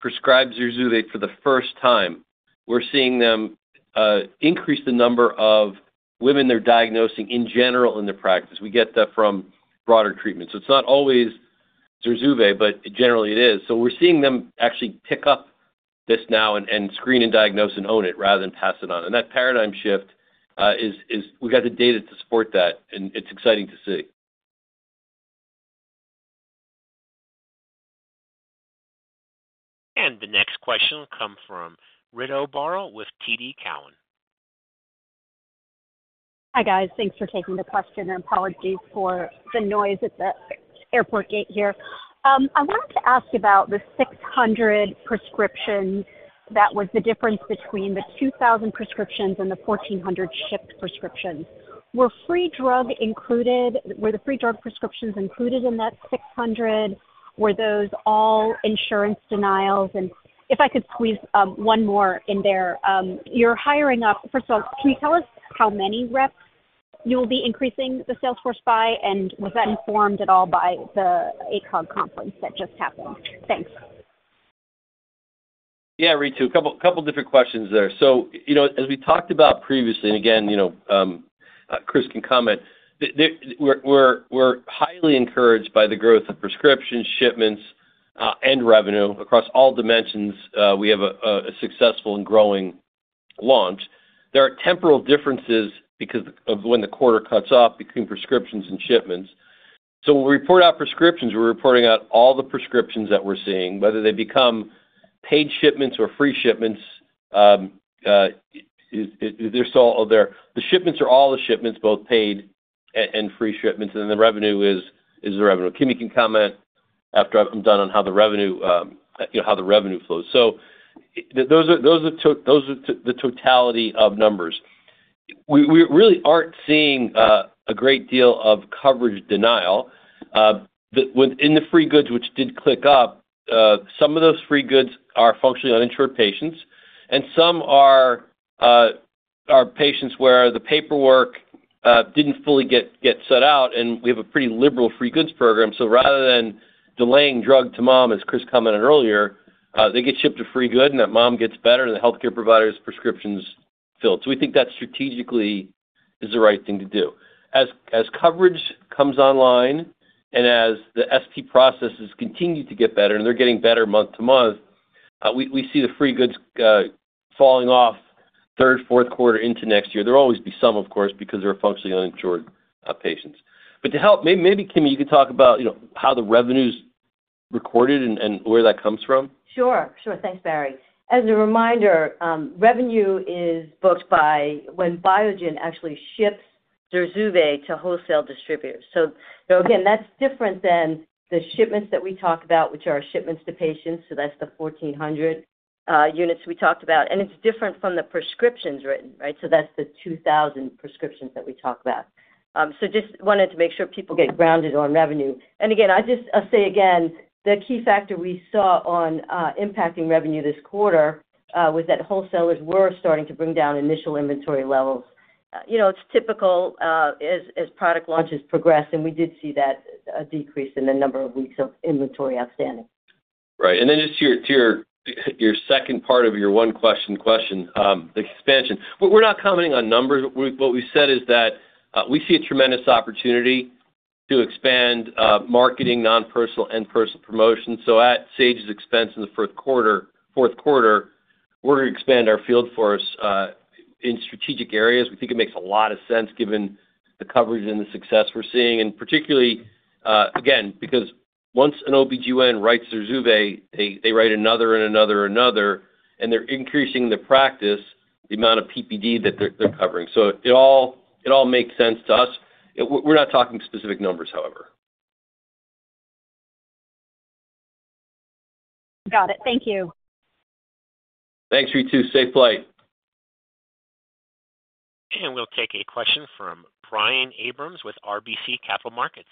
C: prescribes ZURZUVAE for the first time, we're seeing them increase the number of women they're diagnosing in general in their practice. We get that from broader treatment. So it's not always ZURZUVAE, but generally it is. So we're seeing them actually pick up this now and screen and diagnose and own it, rather than pass it on. And that paradigm shift is we've got the data to support that, and it's exciting to see.
A: The next question will come from Ritu Baral with TD Cowen.
G: Hi, guys. Thanks for taking the question, and apologies for the noise at the airport gate here. I wanted to ask about the 600 prescription. That was the difference between the 2,000 prescriptions and the 1,400 shipped prescriptions. Were free drug included? Were the free drug prescriptions included in that 600? Were those all insurance denials? And if I could squeeze one more in there. You're hiring up. First of all, can you tell us how many reps you will be increasing the sales force by? And was that informed at all by the ACOG conference that just happened? Thanks.
C: Yeah, Ritu, a couple different questions there. So you know, as we talked about previously, and again, you know, Chris can comment. The we're highly encouraged by the growth of prescriptions, shipments, and revenue across all dimensions. We have a successful and growing launch. There are temporal differences because of when the quarter cuts off between prescriptions and shipments. So when we report out prescriptions, we're reporting out all the prescriptions that we're seeing, whether they become paid shipments or free shipments. The shipments are all the shipments, both paid and free shipments, and then the revenue is the revenue. Kimi can comment after I'm done on how the revenue, you know, how the revenue flows. So those are the totality of numbers. We really aren't seeing a great deal of coverage denial. The within the free goods, which did click up, some of those free goods are functionally uninsured patients, and some are patients where the paperwork didn't fully get set out, and we have a pretty liberal free goods program. So rather than delaying drug to mom, as Chris commented earlier, they get shipped to free good, and that mom gets better, and the healthcare provider's prescriptions filled. So we think that strategically is the right thing to do. As coverage comes online and as the SP processes continue to get better, and they're getting better month to month, we see the free goods falling off third, Q4 into next year. There will always be some, of course, because they're functionally uninsured patients. But to help, maybe Kimi, you could talk about, you know, how the revenues recorded and where that comes from?
F: Sure, sure. Thanks, Barry. As a reminder, revenue is booked by when Biogen actually ships ZURZUVAE to wholesale distributors. So, so again, that's different than the shipments that we talk about, which are shipments to patients. So that's the 1,400 units we talked about, and it's different from the prescriptions written, right? So that's the 2,000 prescriptions that we talked about. So just wanted to make sure people get grounded on revenue. And again, I'll say again, the key factor we saw on impacting revenue this quarter was that wholesalers were starting to bring down initial inventory levels. You know, it's typical as product launches progress, and we did see that decrease in the number of weeks of inventory outstanding.
C: Right. And then just to your second part of your one question question, the expansion. We're not commenting on numbers. What we said is that we see a tremendous opportunity to expand marketing, non-personal and personal promotion. So at Sage's expense in the Q4, we're going to expand our field force in strategic areas. We think it makes a lot of sense given the coverage and the success we're seeing. And particularly, again, because once an OB-GYN writes ZURZUVAE, they write another and another and another, and they're increasing the practice, the amount of PPD that they're covering. So it all makes sense to us. We're not talking specific numbers, however.
G: Got it. Thank you.
C: Thanks, Ritu. Safe flight.
A: We'll take a question from Brian Abrahams with RBC Capital Markets.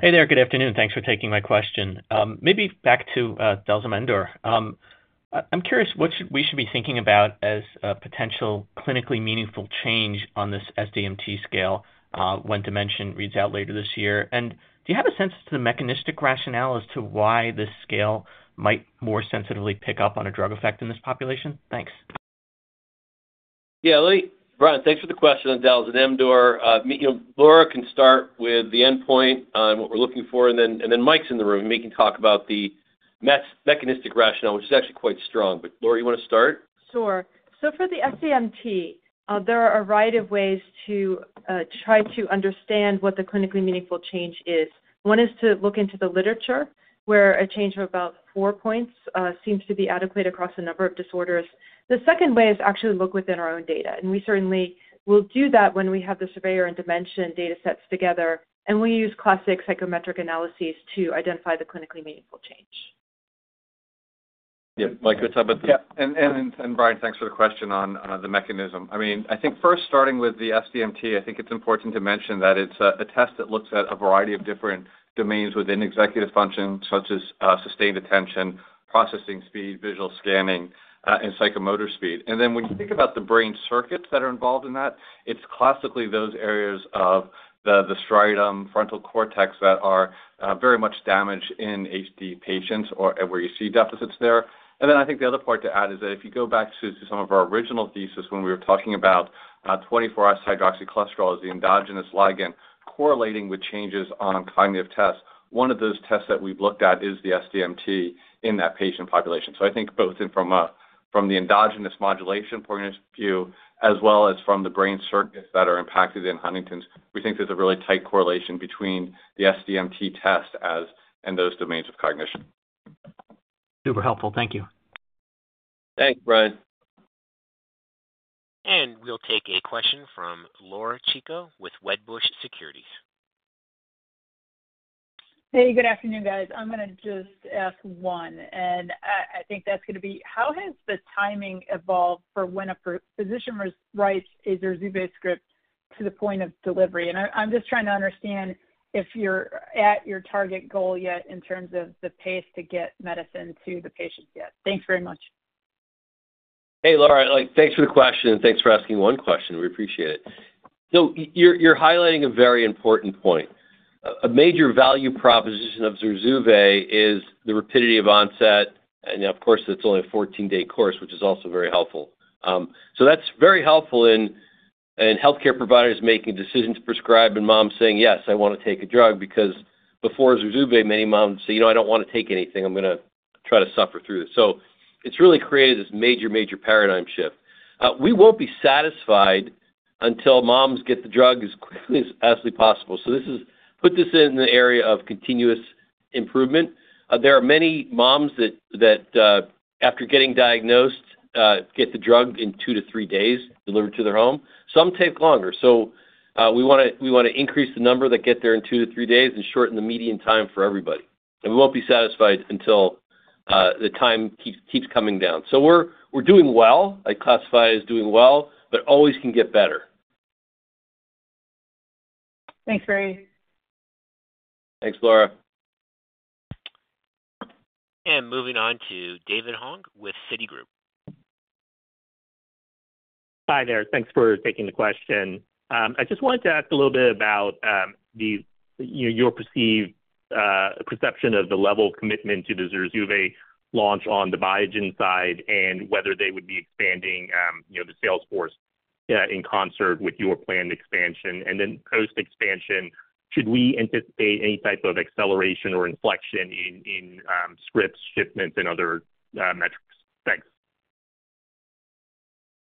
G: Hey there. Good afternoon. Thanks for taking my question. Maybe back to dalzanemdor. I'm curious what we should be thinking about as a potential clinically meaningful change on this SDMT scale, when DIMENSION reads out later this year. And do you have a sense to the mechanistic rationale as to why this scale might more sensitively pick up on a drug effect in this population? Thanks.
C: Yeah, let me, Brian, thanks for the question on dalzanemdor. You know, Laura can start with the endpoint on what we're looking for, and then Mike's in the room, and Mike can talk about the mechanistic rationale, which is actually quite strong. But, Laura, you want to start?
E: Sure. So for the SDMT, there are a variety of ways to try to understand what the clinically meaningful change is. One is to look into the literature, where a change of about four points seems to be adequate across a number of disorders. The second way is actually look within our own data, and we certainly will do that when we have the SURVEYOR and DIMENSION datasets together, and we use classic psychometric analyses to identify the clinically meaningful change.
C: Yeah, Mike, what's up with-
H: Yeah, and Brian, thanks for the question on the mechanism. I mean, I think first starting with the SDMT, I think it's important to mention that it's a test that looks at a variety of different domains within executive function, such as sustained attention, processing speed, visual scanning, and psychomotor speed. And then when you think about the brain circuits that are involved in that, it's classically those areas of the striatum, frontal cortex that are very much damaged in HD patients or where you see deficits there. And then I think the other part to add is that if you go back to some of our original thesis, when we were talking about 24-hydroxycholesterol as the endogenous ligand correlating with changes on cognitive tests, one of those tests that we've looked at is the SDMT in that patient population. So I think both from the endogenous modulation point of view, as well as from the brain circuits that are impacted in Huntington's, we think there's a really tight correlation between the SDMT test and those domains of cognition.
G: Super helpful. Thank you.
C: Thanks, Brian.
A: We'll take a question from Laura Chico with Wedbush Securities.
G: Hey, good afternoon, guys. I'm gonna just ask one, and I think that's gonna be: How has the timing evolved for when a physician writes a ZURZUVAE script to the point of delivery? And I'm just trying to understand if you're at your target goal yet in terms of the pace to get medicine to the patients yet. Thanks very much.
C: Hey, Laura. Like, thanks for the question, and thanks for asking one question. We appreciate it. So you're highlighting a very important point. A major value proposition of ZURZUVAE is the rapidity of onset, and of course, it's only a 14-day course, which is also very helpful. So that's very helpful in healthcare providers making decisions to prescribe, and moms saying, "Yes, I want to take a drug," because before ZURZUVAE, many moms say: You know, I don't want to take anything. I'm gonna try to suffer through this. So it's really created this major, major paradigm shift. We won't be satisfied until moms get the drug as quickly as possibly possible. So this is, put this in the area of continuous improvement. There are many moms that, after getting diagnosed, get the drug in 2-3 days, delivered to their home. Some take longer, so we wanna increase the number that get there in 2-3 days and shorten the median time for everybody. And we won't be satisfied until the time keeps coming down. So we're doing well. I classify as doing well, but always can get better.
G: Thanks, Barry.
C: Thanks, Laura.
A: Moving on to David Hoang with Citigroup.
I: Hi there. Thanks for taking the question. I just wanted to ask a little bit about, you know, your perceived perception of the level of commitment to the ZURZUVAE launch on the Biogen side and whether they would be expanding, you know, the sales force in concert with your planned expansion. And then post-expansion, should we anticipate any type of acceleration or inflection in scripts, shipments, and other metrics?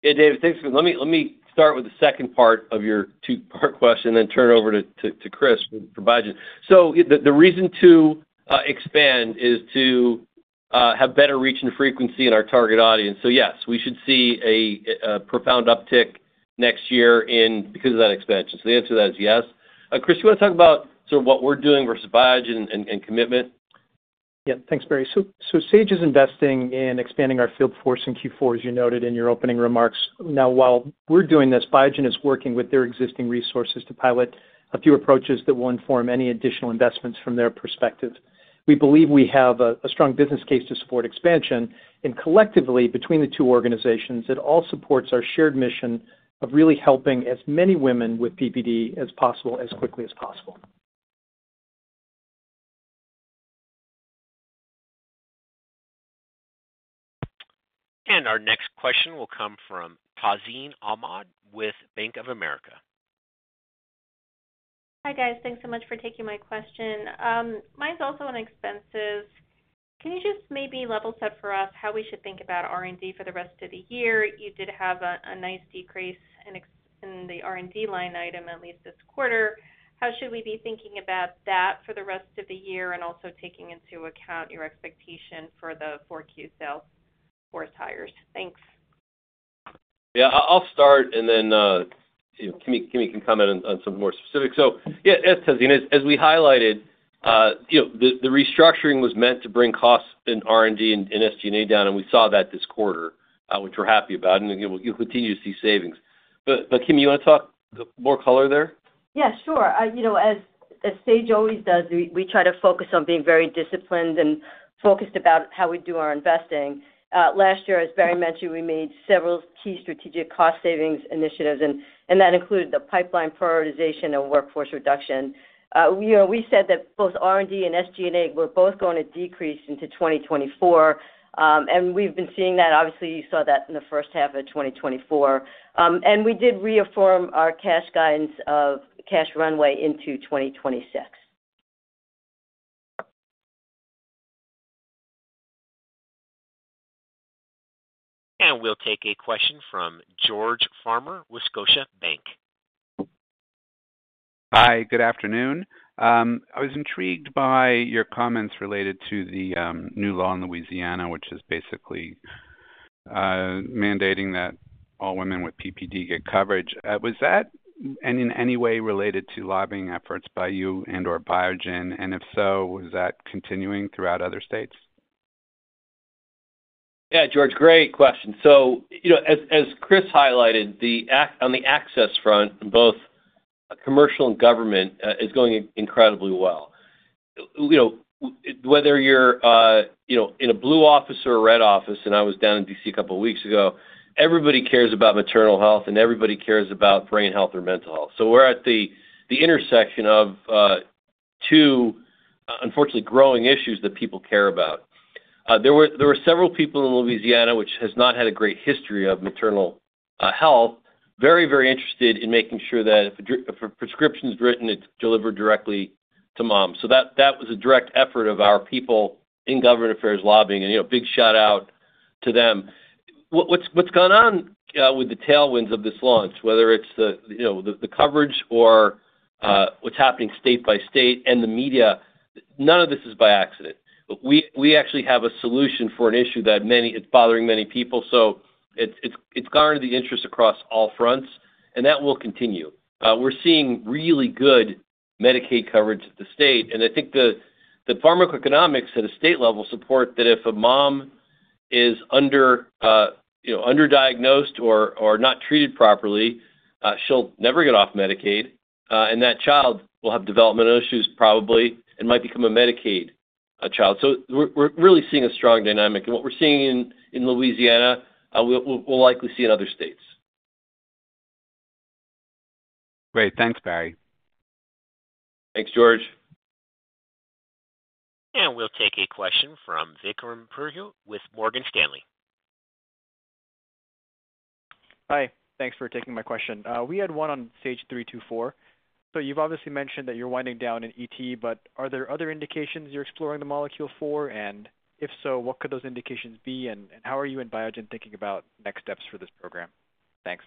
I: Thanks.
C: Yeah, David, thanks. Let me start with the second part of your two-part question, then turn it over to Chris for Biogen. So the reason to expand is to have better reach and frequency in our target audience. So yes, we should see a profound uptick next year in, because of that expansion. So the answer to that is yes. Chris, you want to talk about sort of what we're doing versus Biogen and commitment?
D: Yeah. Thanks, Barry. So, so Sage is investing in expanding our field force in Q4, as you noted in your opening remarks. Now, while we're doing this, Biogen is working with their existing resources to pilot a few approaches that will inform any additional investments from their perspective. We believe we have a, a strong business case to support expansion, and collectively, between the two organizations, it all supports our shared mission of really helping as many women with PPD as possible, as quickly as possible.
A: Our next question will come from Tazeen Ahmad with Bank of America.
J: Hi, guys. Thanks so much for taking my question. Mine's also on expenses. Can you just maybe level set for us how we should think about R&D for the rest of the year? You did have a nice decrease in expenses in the R&D line item, at least this quarter. How should we be thinking about that for the rest of the year, and also taking into account your expectation for the Q4 sales force hires? Thanks.
C: Yeah, I'll start, and then, you know, Kimi, Kimi can comment on some more specifics. So yeah, as Tazeen, as we highlighted, you know, the restructuring was meant to bring costs in R&D and SG&A down, and we saw that this quarter, which we're happy about, and, you know, we'll continue to see savings. But Kimi, you wanna talk more color there?
F: Yeah, sure. You know, as Sage always does, we try to focus on being very disciplined and focused about how we do our investing. Last year, as Barry mentioned, we made several key strategic cost savings initiatives, and that included the pipeline prioritization and workforce reduction. You know, we said that both R&D and SG&A were both going to decrease into 2024, and we've been seeing that. Obviously, you saw that in the first half of 2024. And we did reaffirm our cash guidance of cash runway into 2026.
A: We'll take a question from George Farmer, with Scotiabank.
K: Hi, good afternoon. I was intrigued by your comments related to the new law in Louisiana, which is basically mandating that all women with PPD get coverage. Was that in any way related to lobbying efforts by you and/or Biogen? And if so, was that continuing throughout other states?
C: Yeah, George, great question. So, you know, as Chris highlighted, on the access front, both commercial and government, is going incredibly well. You know, whether you're, you know, in a blue office or a red office, and I was down in D.C. a couple of weeks ago, everybody cares about maternal health, and everybody cares about brain health or mental health. So we're at the intersection of two, unfortunately, growing issues that people care about. There were several people in Louisiana, which has not had a great history of maternal health, very, very interested in making sure that if a prescription is written, it's delivered directly to moms. So that was a direct effort of our people in government affairs lobbying, and, you know, big shout-out to them. What's gone on with the tailwinds of this launch, whether it's the, you know, the coverage or what's happening state by state and the media, none of this is by accident. We actually have a solution for an issue that many—it's bothering many people, so it's garnered the interest across all fronts, and that will continue. We're seeing really good Medicaid coverage at the state level, and I think the pharmacoeconomics at a state level support that if a mom is under, you know, underdiagnosed or not treated properly, she'll never get off Medicaid, and that child will have developmental issues, probably, and might become a Medicaid child. So we're really seeing a strong dynamic. And what we're seeing in Louisiana, we'll likely see in other states.
K: Great. Thanks, Barry.
C: Thanks, George.
A: We'll take a question from Vikram Purohit with Morgan Stanley.
L: Hi. Thanks for taking my question. We had one on SAGE-324. So you've obviously mentioned that you're winding down in ET, but are there other indications you're exploring the molecule for? And if so, what could those indications be, and, and how are you and Biogen thinking about next steps for this program? Thanks.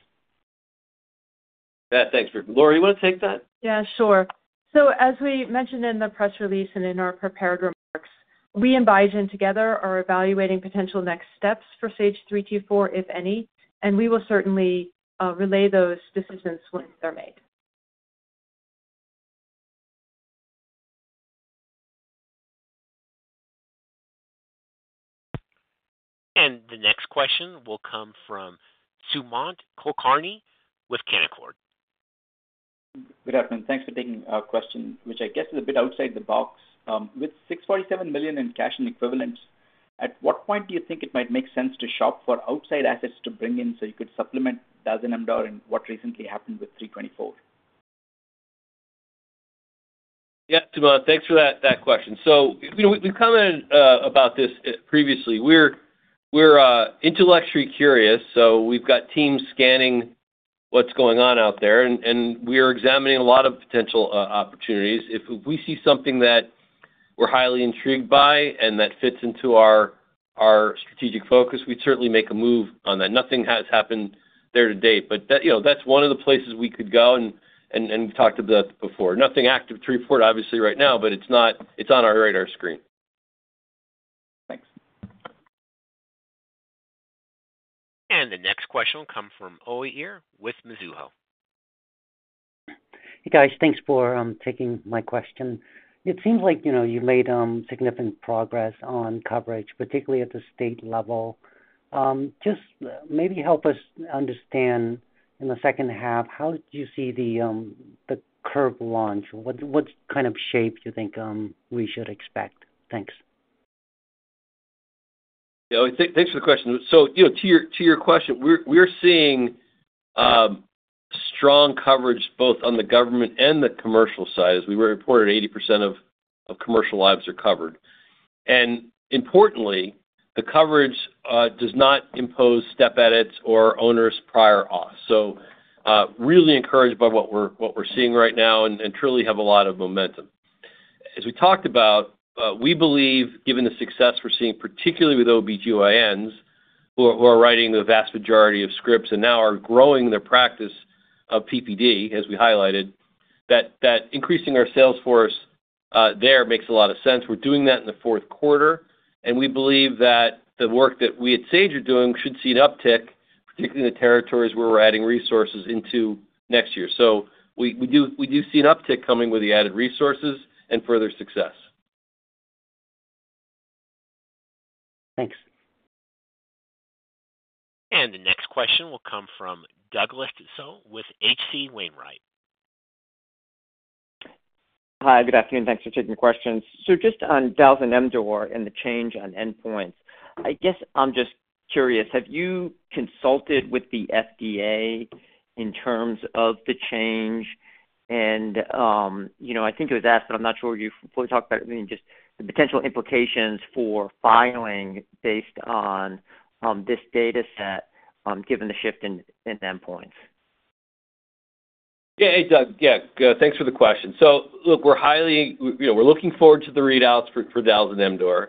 C: Yeah, thanks, Vikram. Laura, you wanna take that?
E: Yeah, sure. So as we mentioned in the press release and in our prepared remarks, we and Biogen together are evaluating potential next steps for SAGE-324, if any, and we will certainly relay those decisions when they're made.
A: The next question will come from Sumant Kulkarni with Canaccord.
M: Good afternoon. Thanks for taking our question, which I guess is a bit outside the box. With $647 million in cash and equivalents, at what point do you think it might make sense to shop for outside assets to bring in so you could supplement dalzanemdor and what recently happened with SAGE-324?
C: Yeah, Sumant, thanks for that question. So, you know, we've commented about this previously. We're intellectually curious, so we've got teams scanning what's going on out there, and we are examining a lot of potential opportunities. If we see something that we're highly intrigued by, and that fits into our strategic focus, we'd certainly make a move on that. Nothing has happened there to date, but that, you know, that's one of the places we could go, and we've talked about that before. Nothing active to report, obviously, right now, but it's on our radar screen.
M: Thanks.
A: The next question will come from Uy Ear with Mizuho.
N: Hey, guys. Thanks for taking my question. It seems like, you know, you made significant progress on coverage, particularly at the state level. Just maybe help us understand in the second half, how do you see the curve launch? What kind of shape do you think we should expect? Thanks.
C: Yeah, Uy, thanks for the question. So, you know, to your question, we're seeing strong coverage both on the government and the commercial side. As we reported, 80% of commercial lives are covered. And importantly, the coverage does not impose step edits or onerous prior auth. So, really encouraged by what we're seeing right now and truly have a lot of momentum. As we talked about, we believe, given the success we're seeing, particularly with OB-GYNs, who are writing the vast majority of scripts and now are growing their practice of PPD, as we highlighted, that increasing our sales force there makes a lot of sense. We're doing that in the Q4, and we believe that the work that we at Sage are doing should see an uptick, particularly in the territories where we're adding resources into next year. So we do see an uptick coming with the added resources and further success.
N: Thanks.
A: The next question will come from Douglas Tsao with H.C. Wainwright.
O: Hi, good afternoon. Thanks for taking the questions. So just on dalzanemdor and the change on endpoints, I guess I'm just curious, have you consulted with the FDA in terms of the change? And, you know, I think it was asked, but I'm not sure you fully talked about, I mean, just the potential implications for filing based on, this data set, given the shift in, in endpoints.
C: Yeah, hey, Doug. Yeah, thanks for the question. So look, we're highly... You know, we're looking forward to the readouts for dalzanemdor.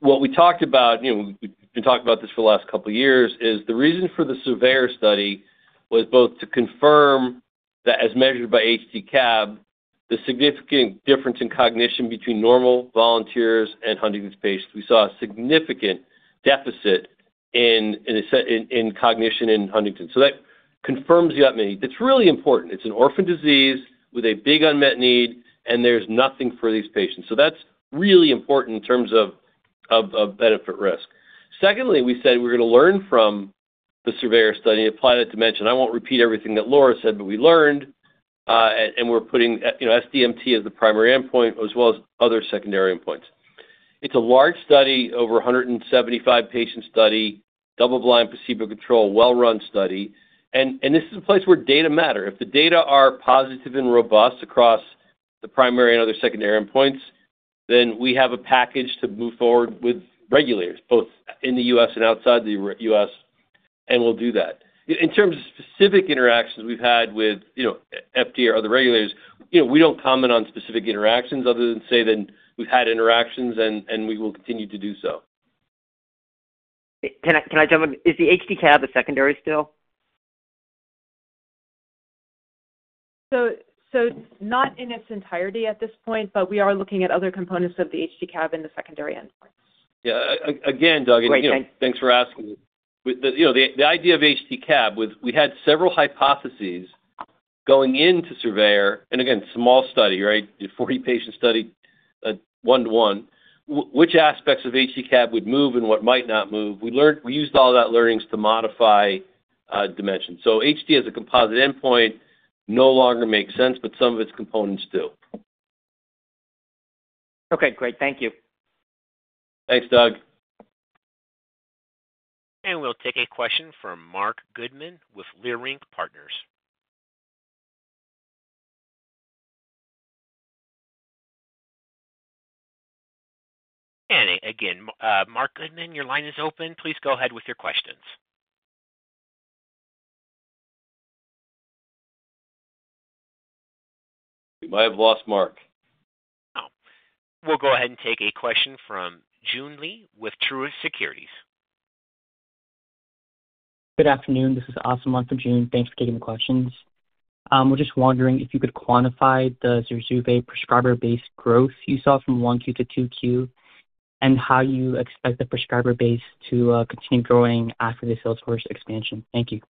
C: What we talked about, you know, we've been talking about this for the last couple of years, is the reason for the SURVEYOR study was both to confirm that, as measured by HD-CAB, the significant difference in cognition between normal volunteers and Huntington's patients. We saw a significant deficit in cognition in Huntington's. So that confirms the unmet need. It's really important. It's an orphan disease with a big unmet need, and there's nothing for these patients. So that's really important in terms of benefit risk. Secondly, we said we're going to learn from the SURVEYOR study and apply that to DIMENSION. I won't repeat everything that Laura said, but we learned and we're putting, you know, SDMT as the primary endpoint as well as other secondary endpoints. It's a large study, over 175 patient study, double blind, placebo controlled, well-run study. And this is a place where data matter. If the data are positive and robust across the primary and other secondary endpoints, then we have a package to move forward with regulators, both in the U.S. and outside the U.S., and we'll do that. In terms of specific interactions we've had with, you know, FDA or other regulators, you know, we don't comment on specific interactions other than say that we've had interactions and we will continue to do so.
O: Can I, can I jump in? Is the HD-CAB a secondary still?
E: Not in its entirety at this point, but we are looking at other components of the HD-CAB in the secondary endpoint.
C: Yeah. Again, Doug, and, you know, thanks for asking. With the, you know, the idea of HD-CAB, with—we had several hypotheses going into SURVEYOR, and again, small study, right? 40-patient study, one to one. Which aspects of HD-CAB would move and what might not move? We learned—we used all of that learnings to modify, DIMENSION. So HD as a composite endpoint no longer makes sense, but some of its components do.
O: Okay, great. Thank you.
C: Thanks, Doug.
A: We'll take a question from Marc Goodman with Leerink Partners. Again, Marc Goodman, your line is open. Please go ahead with your questions.
C: We might have lost Marc.
A: Oh, we'll go ahead and take a question from Joon Lee with Truist Securities.
P: Good afternoon. This is Asim for Joon. Thanks for taking the questions. We're just wondering if you could quantify the ZURZUVAE prescriber base growth you saw from Q1 to Q2, and how you expect the prescriber base to continue growing after the sales force expansion. Thank you.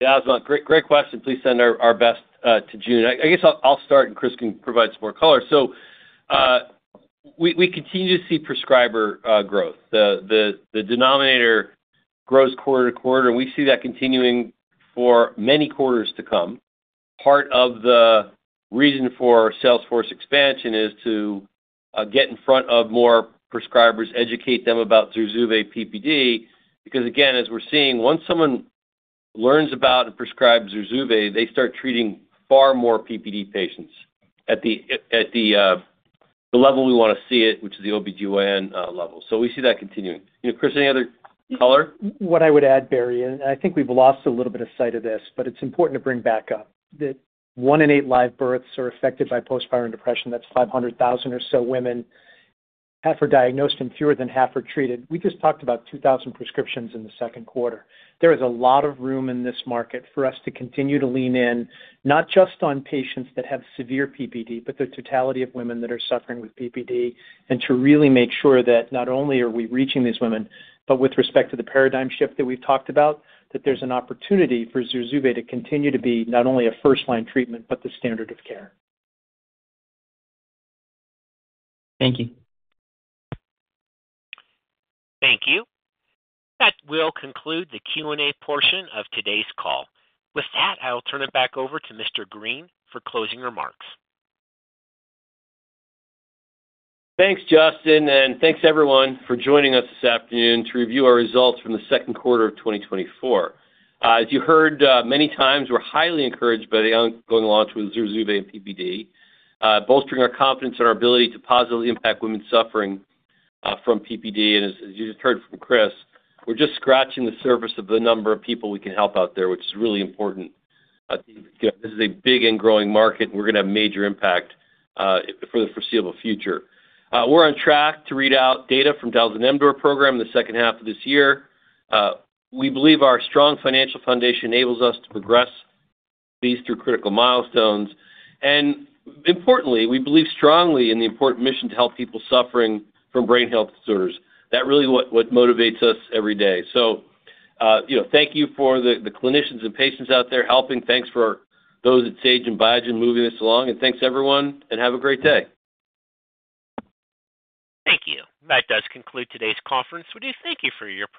C: Yeah Asim, great, great question. Please send our best to Joon. I guess I'll start, and Chris can provide some more color. So, we continue to see prescriber growth. The denominator grows quarter to quarter, and we see that continuing for many quarters to come. Part of the reason for sales force expansion is to get in front of more prescribers, educate them about ZURZUVAE PPD, because again, as we're seeing, once someone learns about and prescribes ZURZUVAE, they start treating far more PPD patients at the level we want to see it, which is the OB-GYN level. So we see that continuing. You know, Chris, any other color?
D: What I would add, Barry, and I think we've lost a little bit of sight of this, but it's important to bring back up, that one in eight live births are affected by postpartum depression. That's 500,000 or so women. Half are diagnosed and fewer than half are treated. We just talked about 2,000 prescriptions in the Q2. There is a lot of room in this market for us to continue to lean in, not just on patients that have severe PPD, but the totality of women that are suffering with PPD, and to really make sure that not only are we reaching these women, but with respect to the paradigm shift that we've talked about, that there's an opportunity for ZURZUVAE to continue to be not only a first-line treatment, but the standard of care.
P: Thank you.
A: Thank you. That will conclude the Q&A portion of today's call. With that, I'll turn it back over to Mr. Greene for closing remarks.
C: Thanks, Justin, and thanks, everyone, for joining us this afternoon to review our results from the Q2 of 2024. As you heard, many times, we're highly encouraged by the ongoing launch with ZURZUVAE and PPD, bolstering our confidence in our ability to positively impact women suffering from PPD. And as you just heard from Chris, we're just scratching the surface of the number of people we can help out there, which is really important. You know, this is a big and growing market, and we're going to have major impact for the foreseeable future. We're on track to read out data from dalzanemdor program in the second half of this year. We believe our strong financial foundation enables us to progress these through critical milestones. Importantly, we believe strongly in the important mission to help people suffering from brain health disorders. That really what motivates us every day. So, you know, thank you for the clinicians and patients out there helping. Thanks for those at Sage and Biogen moving this along, and thanks, everyone, and have a great day.
A: Thank you. That does conclude today's conference. We do thank you for your participation.